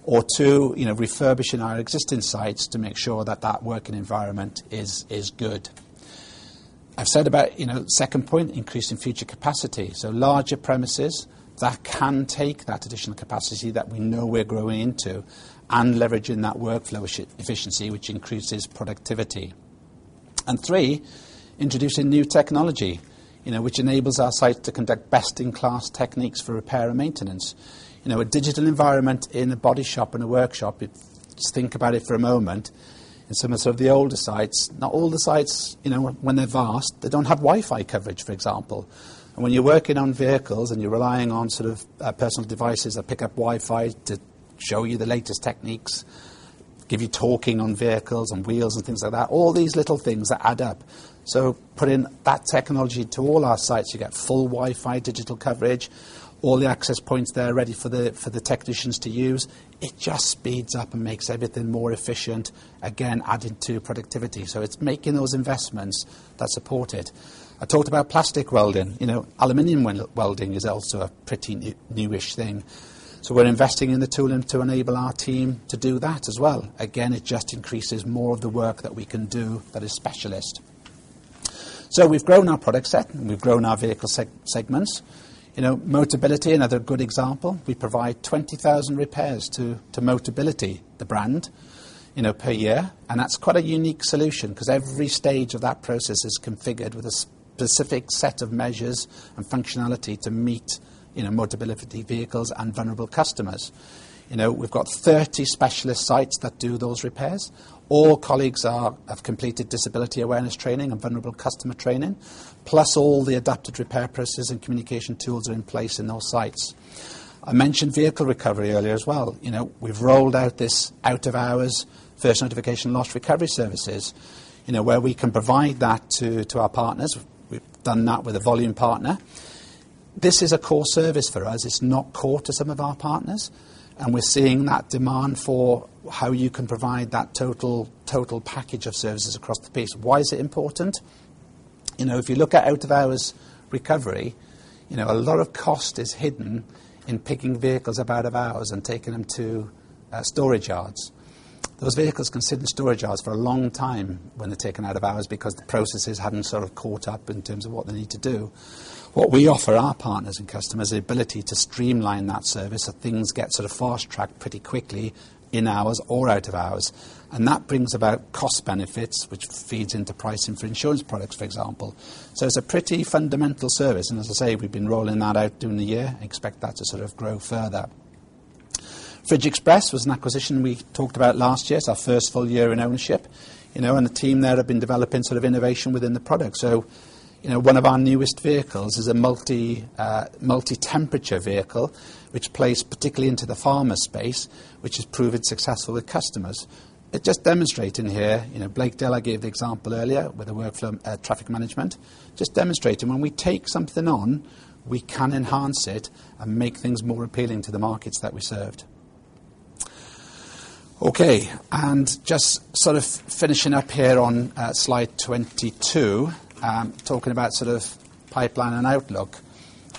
And two, you know, refurbishing our existing sites to make sure that that working environment is good. I've said about, you know, second point, increasing future capacity. So larger premises that can take that additional capacity that we know we're growing into and leveraging that workflow efficiency, which increases productivity. And three, introducing new technology, you know, which enables our site to conduct best-in-class techniques for repair and maintenance. You know, a digital environment in a body shop and a workshop. Just think about it for a moment. In some of sort of the older sites, not all the sites, you know, when they're vast, they don't have Wi-Fi coverage, for example. And when you're working on vehicles and you're relying on sort of personal devices that pick up Wi-Fi to show you the latest techniques, give you talking on vehicles and wheels and things like that, all these little things that add up. So putting that technology to all our sites, you get full Wi-Fi digital coverage, all the access points there ready for the technicians to use. It just speeds up and makes everything more efficient, again, adding to productivity. So it's making those investments that support it. I talked about plastic welding. You know, aluminum welding is also a pretty newish thing. So we're investing in the tooling to enable our team to do that as well. Again, it just increases more of the work that we can do that is specialist. So we've grown our product set, and we've grown our vehicle segments. You know, Motability, another good example, we provide 20,000 repairs to Motability, the brand, you know, per year. And that's quite a unique solution because every stage of that process is configured with a specific set of measures and functionality to meet, you know, Motability vehicles and vulnerable customers. You know, we've got 30 specialist sites that do those repairs. All colleagues are, have completed disability awareness training and vulnerable customer training, plus all the adapted repair processes and communication tools are in place in those sites. I mentioned vehicle recovery earlier as well. You know, we've rolled out this out-of-hours, first notification loss recovery services, you know, where we can provide that to our partners. We've done that with a volume partner. This is a core service for us. It's not core to some of our partners, and we're seeing that demand for how you can provide that total, total package of services across the piece. Why is it important? You know, if you look at out-of-hours recovery, you know, a lot of cost is hidden in picking vehicles up out of hours and taking them to storage yards. Those vehicles can sit in storage yards for a long time when they're taken out of hours because the processes haven't sort of caught up in terms of what they need to do. What we offer our partners and customers the ability to streamline that service, so things get sort of fast-tracked pretty quickly, in hours or out of hours. And that brings about cost benefits, which feeds into pricing for insurance products, for example. So it's a pretty fundamental service, and as I say, we've been rolling that out during the year and expect that to sort of grow further. FridgeXpress was an acquisition we talked about last year. It's our first full year in ownership, you know, and the team there have been developing sort of innovation within the product. So, you know, one of our newest vehicles is a multi-temperature vehicle, which plays particularly into the pharma space, which has proven successful with customers. It just demonstrating here, you know, Blakedale, I gave the example earlier with the workflow, traffic management. Just demonstrating when we take something on, we can enhance it and make things more appealing to the markets that we served. Okay, and just sort of finishing up here on slide 22, talking about sort of pipeline and outlook.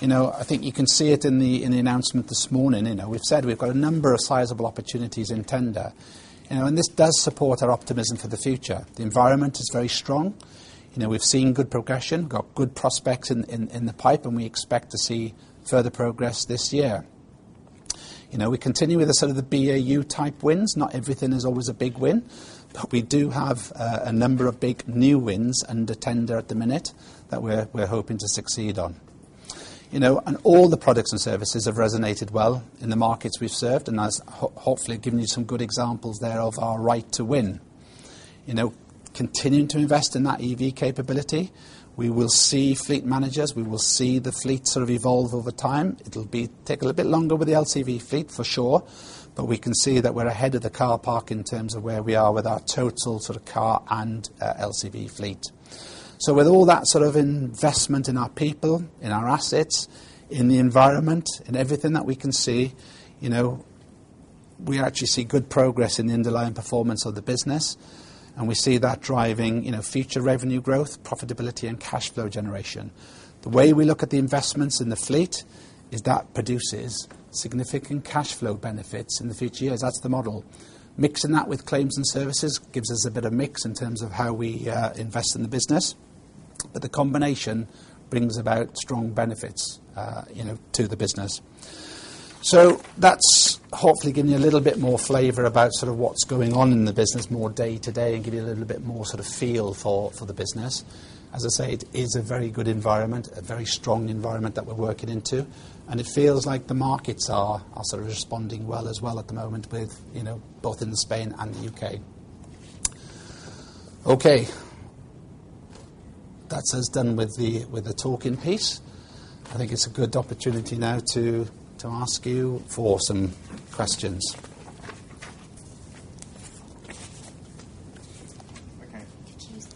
You know, I think you can see it in the announcement this morning. You know, we've said we've got a number of sizable opportunities in tender, you know, and this does support our optimism for the future. The environment is very strong. You know, we've seen good progression, got good prospects in the pipe, and we expect to see further progress this year. You know, we continue with the sort of the BAU-type wins. Not everything is always a big win, but we do have a number of big new wins under tender at the minute that we're hoping to succeed on. You know, and all the products and services have resonated well in the markets we've served, and I've hopefully given you some good examples there of our right to win. You know, continuing to invest in that EV capability, we will see fleet managers, we will see the fleet sort of evolve over time. It'll take a little bit longer with the LCV fleet, for sure, but we can see that we're ahead of the car park in terms of where we are with our total sort of car and LCV fleet. So with all that sort of investment in our people, in our assets, in the environment, in everything that we can see, you know, we actually see good progress in the underlying performance of the business, and we see that driving, you know, future revenue growth, profitability, and cash flow generation. The way we look at the investments in the fleet is that produces significant cash flow benefits in the future years. That's the model. Mixing that with claims and services gives us a bit of mix in terms of how we invest in the business, but the combination brings about strong benefits, you know, to the business. So that's hopefully given you a little bit more flavor about sort of what's going on in the business, more day to day, and give you a little bit more sort of feel for the business. As I say, it is a very good environment, a very strong environment that we're working into, and it feels like the markets are also responding well as well at the moment with, you know, both in Spain and the U.K.. Okay, that's us done with the talking piece. I think it's a good opportunity now to ask you for some questions. Okay. Choose.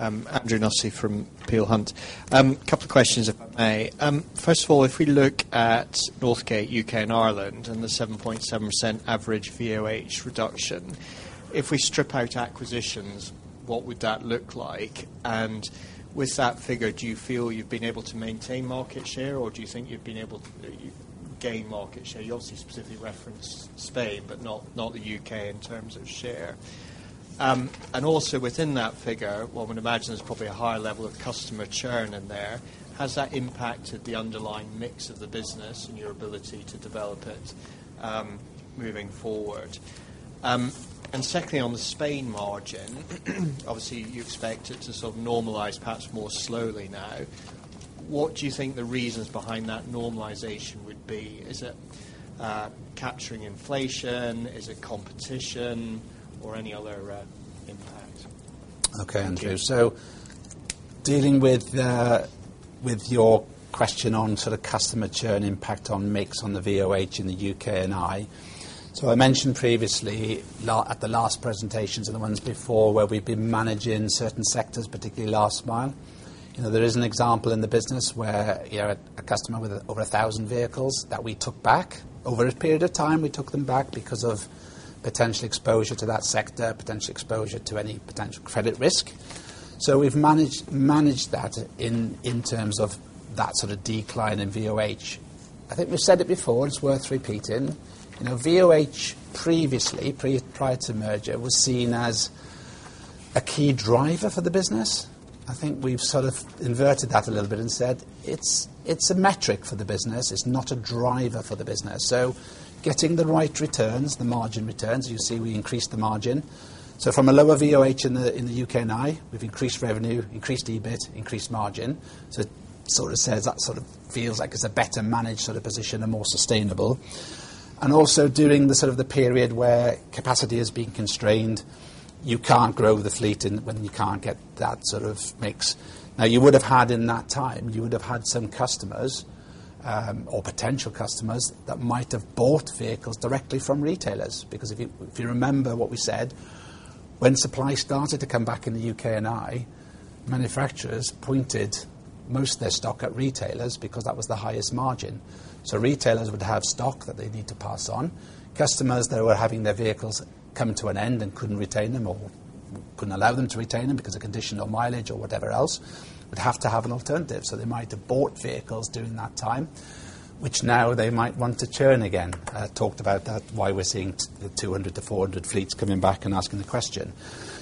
Andrew Nussey from Peel Hunt. Couple of questions, if I may. First of all, if we look at Northgate U.K. and Ireland, and the 7.7% average VOH reduction, if we strip out acquisitions, what would that look like? And with that figure, do you feel you've been able to maintain market share, or do you think you've been able to gain market share? You obviously specifically referenced Spain, but not the U.K. in terms of share. And also within that figure, one would imagine there's probably a higher level of customer churn in there. Has that impacted the underlying mix of the business and your ability to develop it, moving forward? And secondly, on the Spain margin, obviously, you expect it to sort of normalize perhaps more slowly now. What do you think the reasons behind that normalization would be? Is it capturing inflation? Is it competition, or any other impact? Okay, Andrew. Thank you. So dealing with your question on sort of customer churn impact on mix on the VOH in the U.K.. So I mentioned previously at the last presentations and the ones before, where we've been managing certain sectors, particularly last mile. You know, there is an example in the business where you have a customer with over 1,000 vehicles that we took back. Over a period of time, we took them back because of potential exposure to that sector, potential exposure to any potential credit risk. So we've managed that in terms of that sort of decline in VOH. I think we've said it before, and it's worth repeating. You know, VOH previously, prior to merger, was seen as a key driver for the business. I think we've sort of inverted that a little bit and said, "It's, it's a metric for the business. It's not a driver for the business." So getting the right returns, the margin returns, you see, we increased the margin. So from a lower VOH in the U.K. and Ireland, we've increased revenue, increased EBIT, increased margin. So it sort of says, that sort of feels like it's a better managed sort of position and more sustainable. And also, during the sort of the period where capacity is being constrained, you can't grow the fleet and when you can't get that sort of mix. Now, you would have had, in that time, you would have had some customers, or potential customers that might have bought vehicles directly from retailers. Because if you, if you remember what we said, when supply started to come back in the U.K. and I, manufacturers pointed most of their stock at retailers because that was the highest margin. So retailers would have stock that they need to pass on. Customers that were having their vehicles coming to an end and couldn't retain them or couldn't allow them to retain them because of condition or mileage or whatever else, would have to have an alternative. So they might have bought vehicles during that time, which now they might want to churn again. I talked about that, why we're seeing 200-400 fleets coming back and asking the question.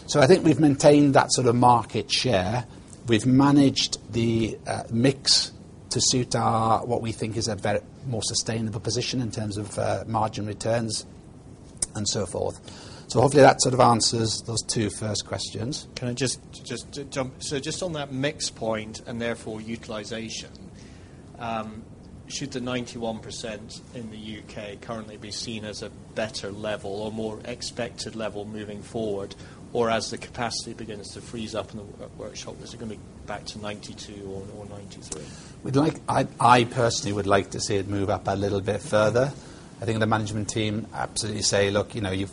So I think we've maintained that sort of market share. We've managed the mix to suit our, what we think is a very more sustainable position in terms of, margin returns and so forth. So hopefully that sort of answers those two first questions. Can I just jump... So just on that mix point, and therefore utilization, should the 91% in the U.K. currently be seen as a better level or more expected level moving forward? Or as the capacity begins to freeze up in the workshop, is it gonna be back to 92 or 93? We'd like I personally would like to see it move up a little bit further. I think the management team absolutely say: "Look, you know, you've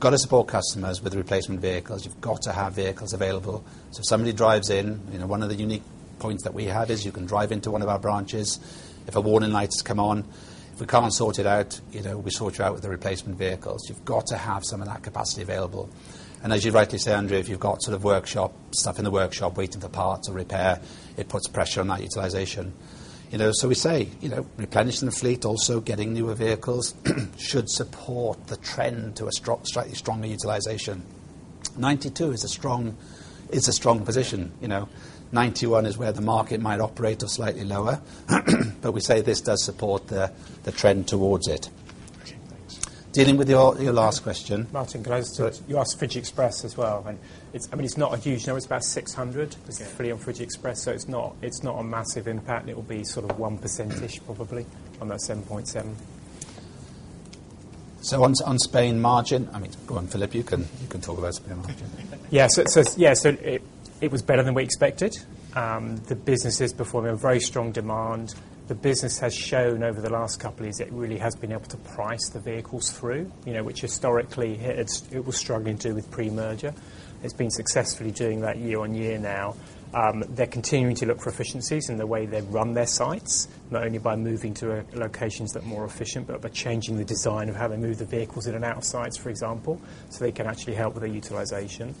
got to support customers with replacement vehicles. You've got to have vehicles available." So if somebody drives in, you know, one of the unique points that we had is you can drive into one of our branches. If a warning light has come on, if we can't sort it out, you know, we sort you out with the replacement vehicles. You've got to have some of that capacity available. And as you rightly say, Andrea, if you've got sort of workshop stuff in the workshop waiting for parts or repair, it puts pressure on that utilization. You know, so we say, you know, replenishing the fleet, also getting newer vehicles, should support the trend to a strong, slightly stronger utilization. 92 is a strong, it's a strong position, you know. 91 is where the market might operate or slightly lower. But we say this does support the, the trend towards it. Okay, thanks. Dealing with your, your last question. Martin, can I just- Sure. You asked FridgeXpress as well, and it's, I mean, it's not a huge number. It's about 600- Yeah... is fully on FridgeXpress, so it's not, it's not a massive impact. It will be sort of 1%-ish probably, on that 7.7. So, on Spain margin... I mean, go on, Philip, you can talk about Spain margin. Yeah. So it was better than we expected. The business is performing very strong demand. The business has shown over the last couple of years, it really has been able to price the vehicles through, you know, which historically, it was struggling to do with pre-merger. It's been successfully doing that year on year now. They're continuing to look for efficiencies in the way they run their sites, not only by moving to locations that are more efficient, but by changing the design of how they move the vehicles in and out of sites, for example, so they can actually help with the utilization.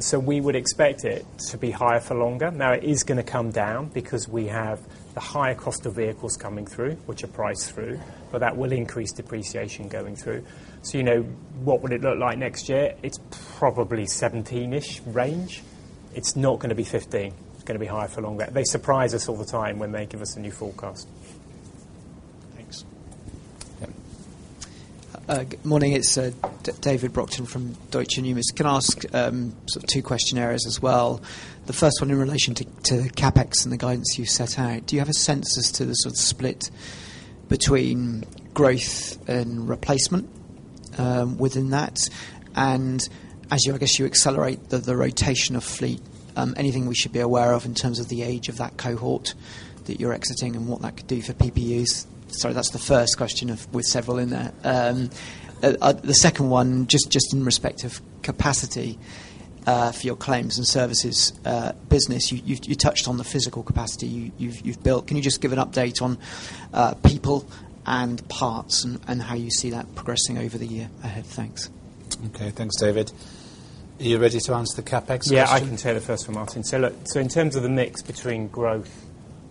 So we would expect it to be higher for longer. Now, it is gonna come down because we have the higher cost of vehicles coming through, which are priced through, but that will increase depreciation going through. So, you know, what would it look like next year? It's probably 17-ish range. It's not gonna be 15. It's gonna be higher for longer. They surprise us all the time when they give us a new forecast. Thanks. Yeah. Good morning. It's David Brockton from Deutsche Numis. Can I ask sort of two question areas as well? The first one in relation to CapEx and the guidance you set out. Do you have a sense as to the sort of split between growth and replacement within that? And as you, I guess, accelerate the rotation of fleet, anything we should be aware of in terms of the age of that cohort that you're exiting and what that could do for PPUs? Sorry, that's the first question with several in there. The second one, just in respect of capacity for your claims and services business, you touched on the physical capacity you've built. Can you just give an update on people and parts and how you see that progressing over the year ahead? Thanks. Okay. Thanks, David. Are you ready to answer the CapEx question? Yeah, I can take the first one, Martin. So look, so in terms of the mix between growth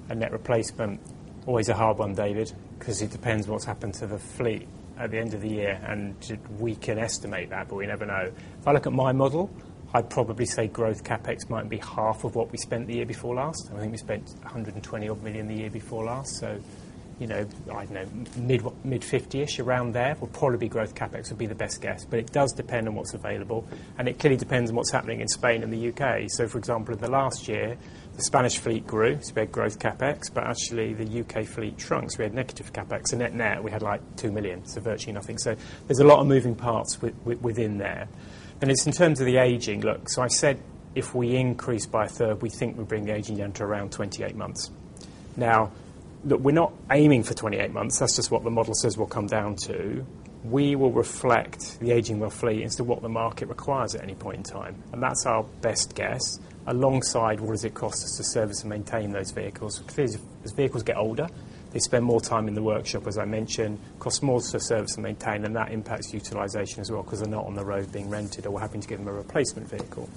and net replacement, always a hard one, David, 'cause it depends what's happened to the fleet at the end of the year, and we can estimate that, but we never know. If I look at my model, I'd probably say growth CapEx might be half of what we spent the year before last. I think we spent 120-odd million the year before last. So, you know, I don't know, mid-fifty-ish, around there, will probably be growth CapEx would be the best guess. But it does depend on what's available, and it clearly depends on what's happening in Spain and the U.K.. So, for example, in the last year, the Spanish fleet grew, so we had growth CapEx, but actually, the U.K. fleet shrunk, so we had negative CapEx, and net-net, we had, like, 2 million, so virtually nothing. So there's a lot of moving parts within there. And it's in terms of the aging, look, so I said if we increase by a third, we think we'll bring the aging down to around 28 months. Now, look, we're not aiming for 28 months. That's just what the model says will come down to. We will reflect the aging of our fleet as to what the market requires at any point in time, and that's our best guess, alongside what does it cost us to service and maintain those vehicles? Because as vehicles get older, they spend more time in the workshop, as I mentioned, costs more to service and maintain, and that impacts utilization as well, 'cause they're not on the road being rented, or we're having to give them a replacement vehicle.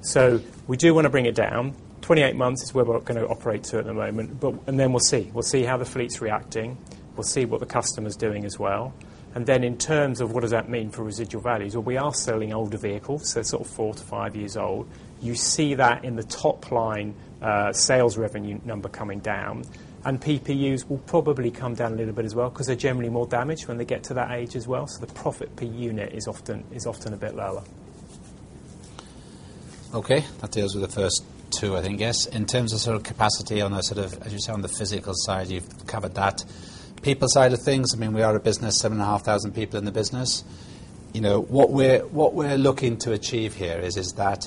So we do want to bring it down. 28 months is where we're gonna operate to at the moment, but... And then we'll see. We'll see how the fleet's reacting. We'll see what the customer's doing as well. And then in terms of what does that mean for residual values, well, we are selling older vehicles, so sort of four to five years old. You see that in the top line, sales revenue number coming down, and PPUs will probably come down a little bit as well, 'cause they're generally more damaged when they get to that age as well, so the profit per unit is often, is often a bit lower. Okay, that deals with the first two, I think, yes. In terms of sort of capacity on the sort of, as you say, on the physical side, you've covered that. People side of things, I mean, we are a business, 7,500 people in the business. You know, what we're, what we're looking to achieve here is, is that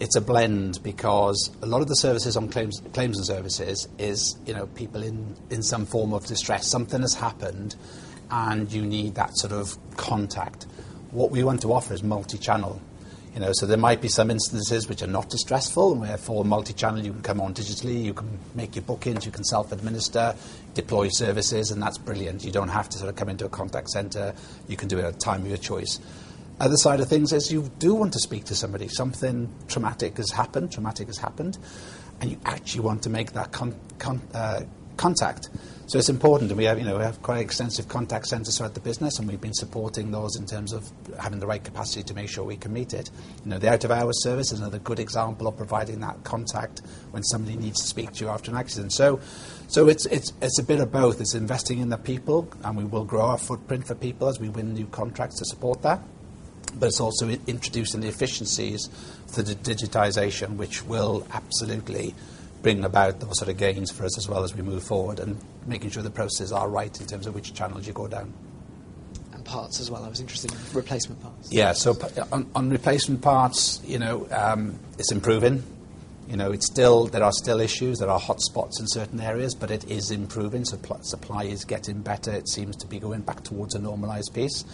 it's a blend, because a lot of the services on claims, claims and services is, you know, people in, in some form of distress. Something has happened, and you need that sort of contact. What we want to offer is multi-channel, you know? So there might be some instances which are not as stressful, and therefore, multi-channel, you can come on digitally, you can make your bookings, you can self-administer, deploy services, and that's brilliant. You don't have to sort of come into a contact center. You can do it at a time of your choice. Other side of things is you do want to speak to somebody. Something traumatic has happened, traumatic has happened, and you actually want to make that contact. So it's important, and we have, you know, we have quite extensive contact centers throughout the business, and we've been supporting those in terms of having the right capacity to make sure we can meet it. You know, the out-of-hour service is another good example of providing that contact when somebody needs to speak to you after an accident. So it's a bit of both. It's investing in the people, and we will grow our footprint for people as we win new contracts to support that. But it's also introducing the efficiencies for the digitization, which will absolutely bring about those sort of gains for us as well as we move forward, and making sure the processes are right in terms of which channels you go down. Parts as well. I was interested in replacement parts. Yeah, so on replacement parts, you know, it's improving. You know, it's still, there are still issues, there are hotspots in certain areas, but it is improving. Supply, supply is getting better. It seems to be going back towards a normalized pace.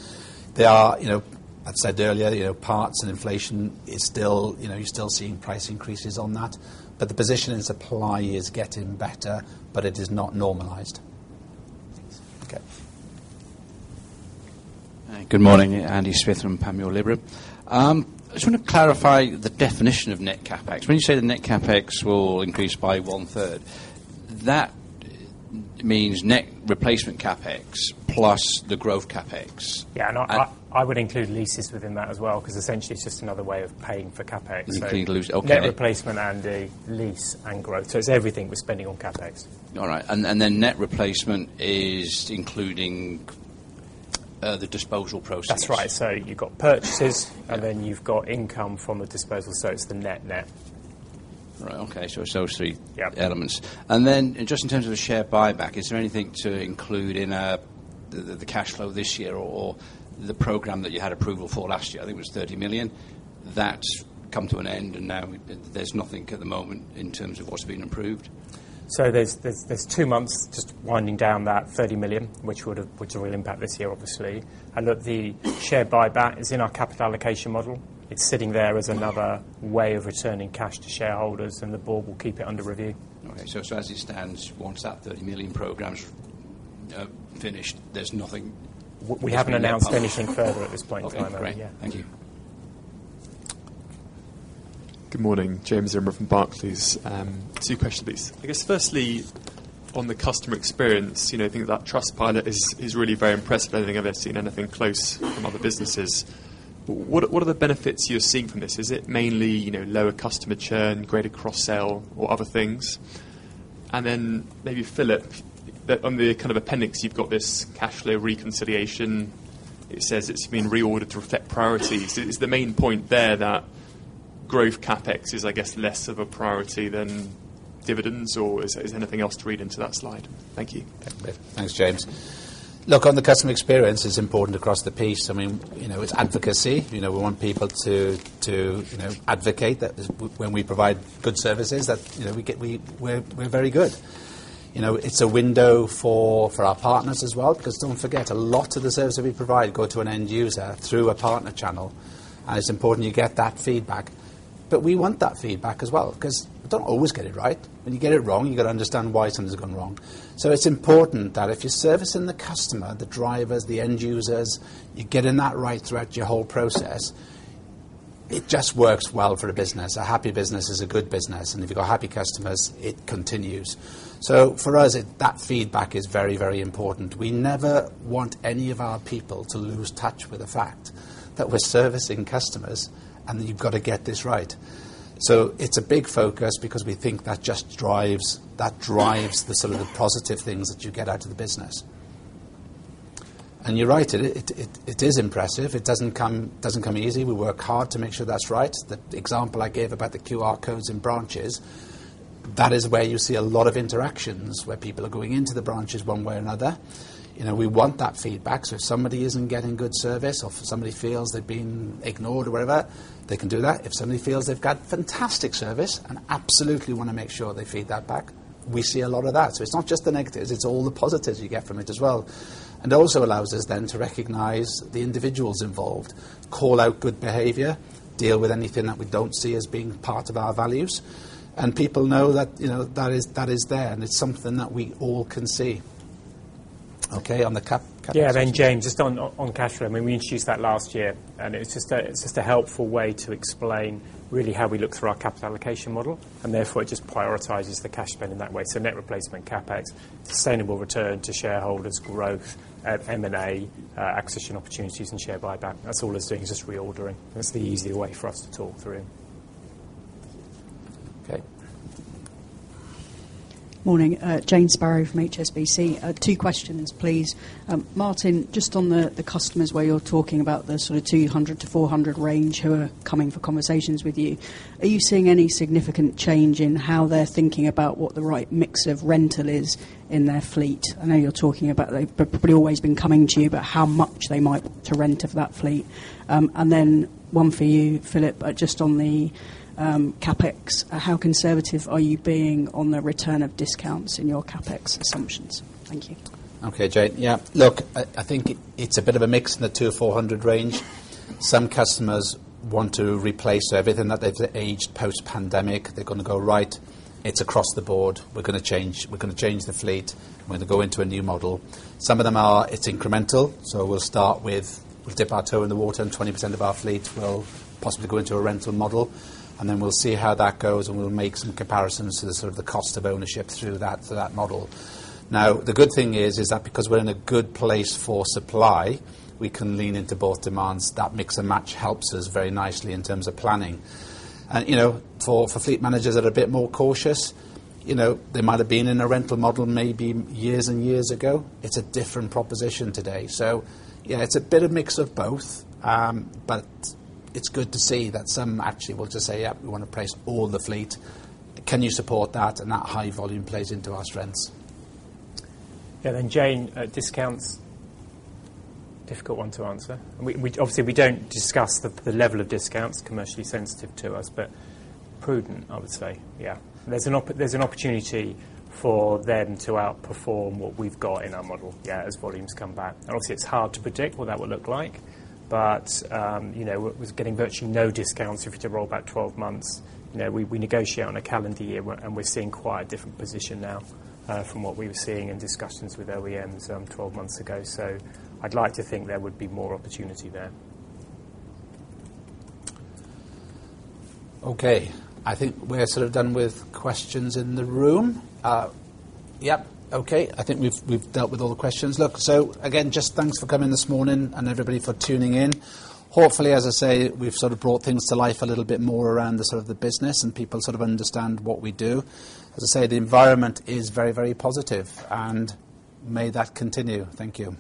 There are, you know, I said earlier, you know, parts and inflation is still, you know, you're still seeing price increases on that, but the position in supply is getting better, but it is not normalized. Thanks. Okay. Good morning. Andy Smith from Panmure Gordon. I just want to clarify the definition of net CapEx. When you say the net CapEx will increase by one third, that means net replacement CapEx plus the growth CapEx? Yeah, and I would include leases within that as well, because essentially, it's just another way of paying for CapEx. Including leases, okay. Net replacement, Andy, lease and growth. So it's everything we're spending on CapEx. All right, and, and then net replacement is including, the disposal process? That's right. So you've got purchases- Yeah... and then you've got income from the disposal, so it's the net net. Right. Okay, so it's those three- Yeah... elements. And then just in terms of the share buyback, is there anything to include in the cash flow this year or the program that you had approval for last year? I think it was 30 million. That's come to an end, and now there's nothing at the moment in terms of what's been approved. So there's two months just winding down that 30 million, which would have, which will impact this year, obviously. And look, the share buyback is in our capital allocation model. It's sitting there as another way of returning cash to shareholders, and the board will keep it under review. Okay. So as it stands, once that 30 million program's finished, there's nothing- We haven't announced anything further at this point in time. Okay, great. Yeah. Thank you. Good morning. James Zaremba from Barclays. Two questions, please. I guess firstly, on the customer experience, you know, I think that Trustpilot is really very impressive. I don't think I've ever seen anything close from other businesses. What are the benefits you're seeing from this? Is it mainly, you know, lower customer churn, greater cross-sell, or other things? And then maybe, Philip, on the kind of appendix, you've got this cash flow reconciliation. It says it's been reordered to reflect priorities. Is the main point there that growth CapEx is, I guess, less of a priority than dividends, or is there anything else to read into that slide? Thank you. Thanks, James. Look, on the customer experience, it's important across the piece. I mean, you know, it's advocacy. You know, we want people to advocate that when we provide good services, that, you know, we're very good. You know, it's a window for our partners as well, because don't forget, a lot of the services we provide go to an end user through a partner channel, and it's important you get that feedback. But we want that feedback as well, because we don't always get it right. When you get it wrong, you got to understand why something's gone wrong. So it's important that if you're servicing the customer, the drivers, the end users, you're getting that right throughout your whole process. It just works well for a business. A happy business is a good business, and if you've got happy customers, it continues. So for us, that feedback is very, very important. We never want any of our people to lose touch with the fact that we're servicing customers, and you've got to get this right. So it's a big focus because we think that just drives the sort of the positive things that you get out of the business. And you're right, it is impressive. It doesn't come easy. We work hard to make sure that's right. The example I gave about the QR codes in branches, that is where you see a lot of interactions, where people are going into the branches one way or another. You know, we want that feedback. So if somebody isn't getting good service, or if somebody feels they've been ignored or whatever, they can do that. If somebody feels they've got fantastic service and absolutely want to make sure they feed that back, we see a lot of that. So it's not just the negatives, it's all the positives you get from it as well. And it also allows us then to recognize the individuals involved, call out good behavior, deal with anything that we don't see as being part of our values. And people know that, you know, that is, that is there, and it's something that we all can see. Okay, on the CapEx Yeah, then, James, just on, on cash flow, I mean, we introduced that last year, and it's just a, it's just a helpful way to explain really how we look through our capital allocation model, and therefore, it just prioritizes the cash spend in that way. So net replacement, CapEx, sustainable return to shareholders, growth, M&A, acquisition opportunities, and share buyback. That's all it's doing, is just reordering. That's the easier way for us to talk through. Okay. Morning. Jane Sparrow from HSBC. Two questions, please. Martin, just on the customers, where you're talking about the sort of 200-400 range who are coming for conversations with you, are you seeing any significant change in how they're thinking about what the right mix of rental is in their fleet? I know you're talking about they've probably always been coming to you, but how much they might want to rent of that fleet. And then one for you, Philip, just on the CapEx. How conservative are you being on the return of discounts in your CapEx assumptions? Thank you. Okay, Jane. Yeah, look, I, I think it's a bit of a mix in the 200-400 range. Some customers want to replace everything that they've aged post-pandemic. They're going to go, "Right, it's across the board. We're going to change, we're going to change the fleet, and we're going to go into a new model." Some of them are, it's incremental, so we'll start with, "We'll dip our toe in the water, and 20% of our fleet will possibly go into a rental model, and then we'll see how that goes, and we'll make some comparisons to the sort of the cost of ownership through that, that model." Now, the good thing is, is that because we're in a good place for supply, we can lean into both demands. That mix and match helps us very nicely in terms of planning. You know, for fleet managers that are a bit more cautious, you know, they might have been in a rental model maybe years and years ago. It's a different proposition today. So yeah, it's a bit of mix of both, but it's good to see that some actually want to say, "Yeah, we want to replace all the fleet. Can you support that?" And that high volume plays into our strengths. Yeah, then, Jane, discounts, difficult one to answer. We obviously don't discuss the level of discounts, commercially sensitive to us, but prudent, I would say. Yeah. There's an opportunity for them to outperform what we've got in our model, yeah, as volumes come back. And obviously, it's hard to predict what that would look like, but, you know, with getting virtually no discounts, if you were to roll back 12 months, you know, we negotiate on a calendar year, and we're seeing quite a different position now from what we were seeing in discussions with OEMs 12 months ago. So I'd like to think there would be more opportunity there. Okay, I think we're sort of done with questions in the room. Yep, okay. I think we've dealt with all the questions. Look, so again, just thanks for coming this morning and everybody for tuning in. Hopefully, as I say, we've sort of brought things to life a little bit more around the sort of business, and people sort of understand what we do. As I say, the environment is very, very positive, and may that continue. Thank you.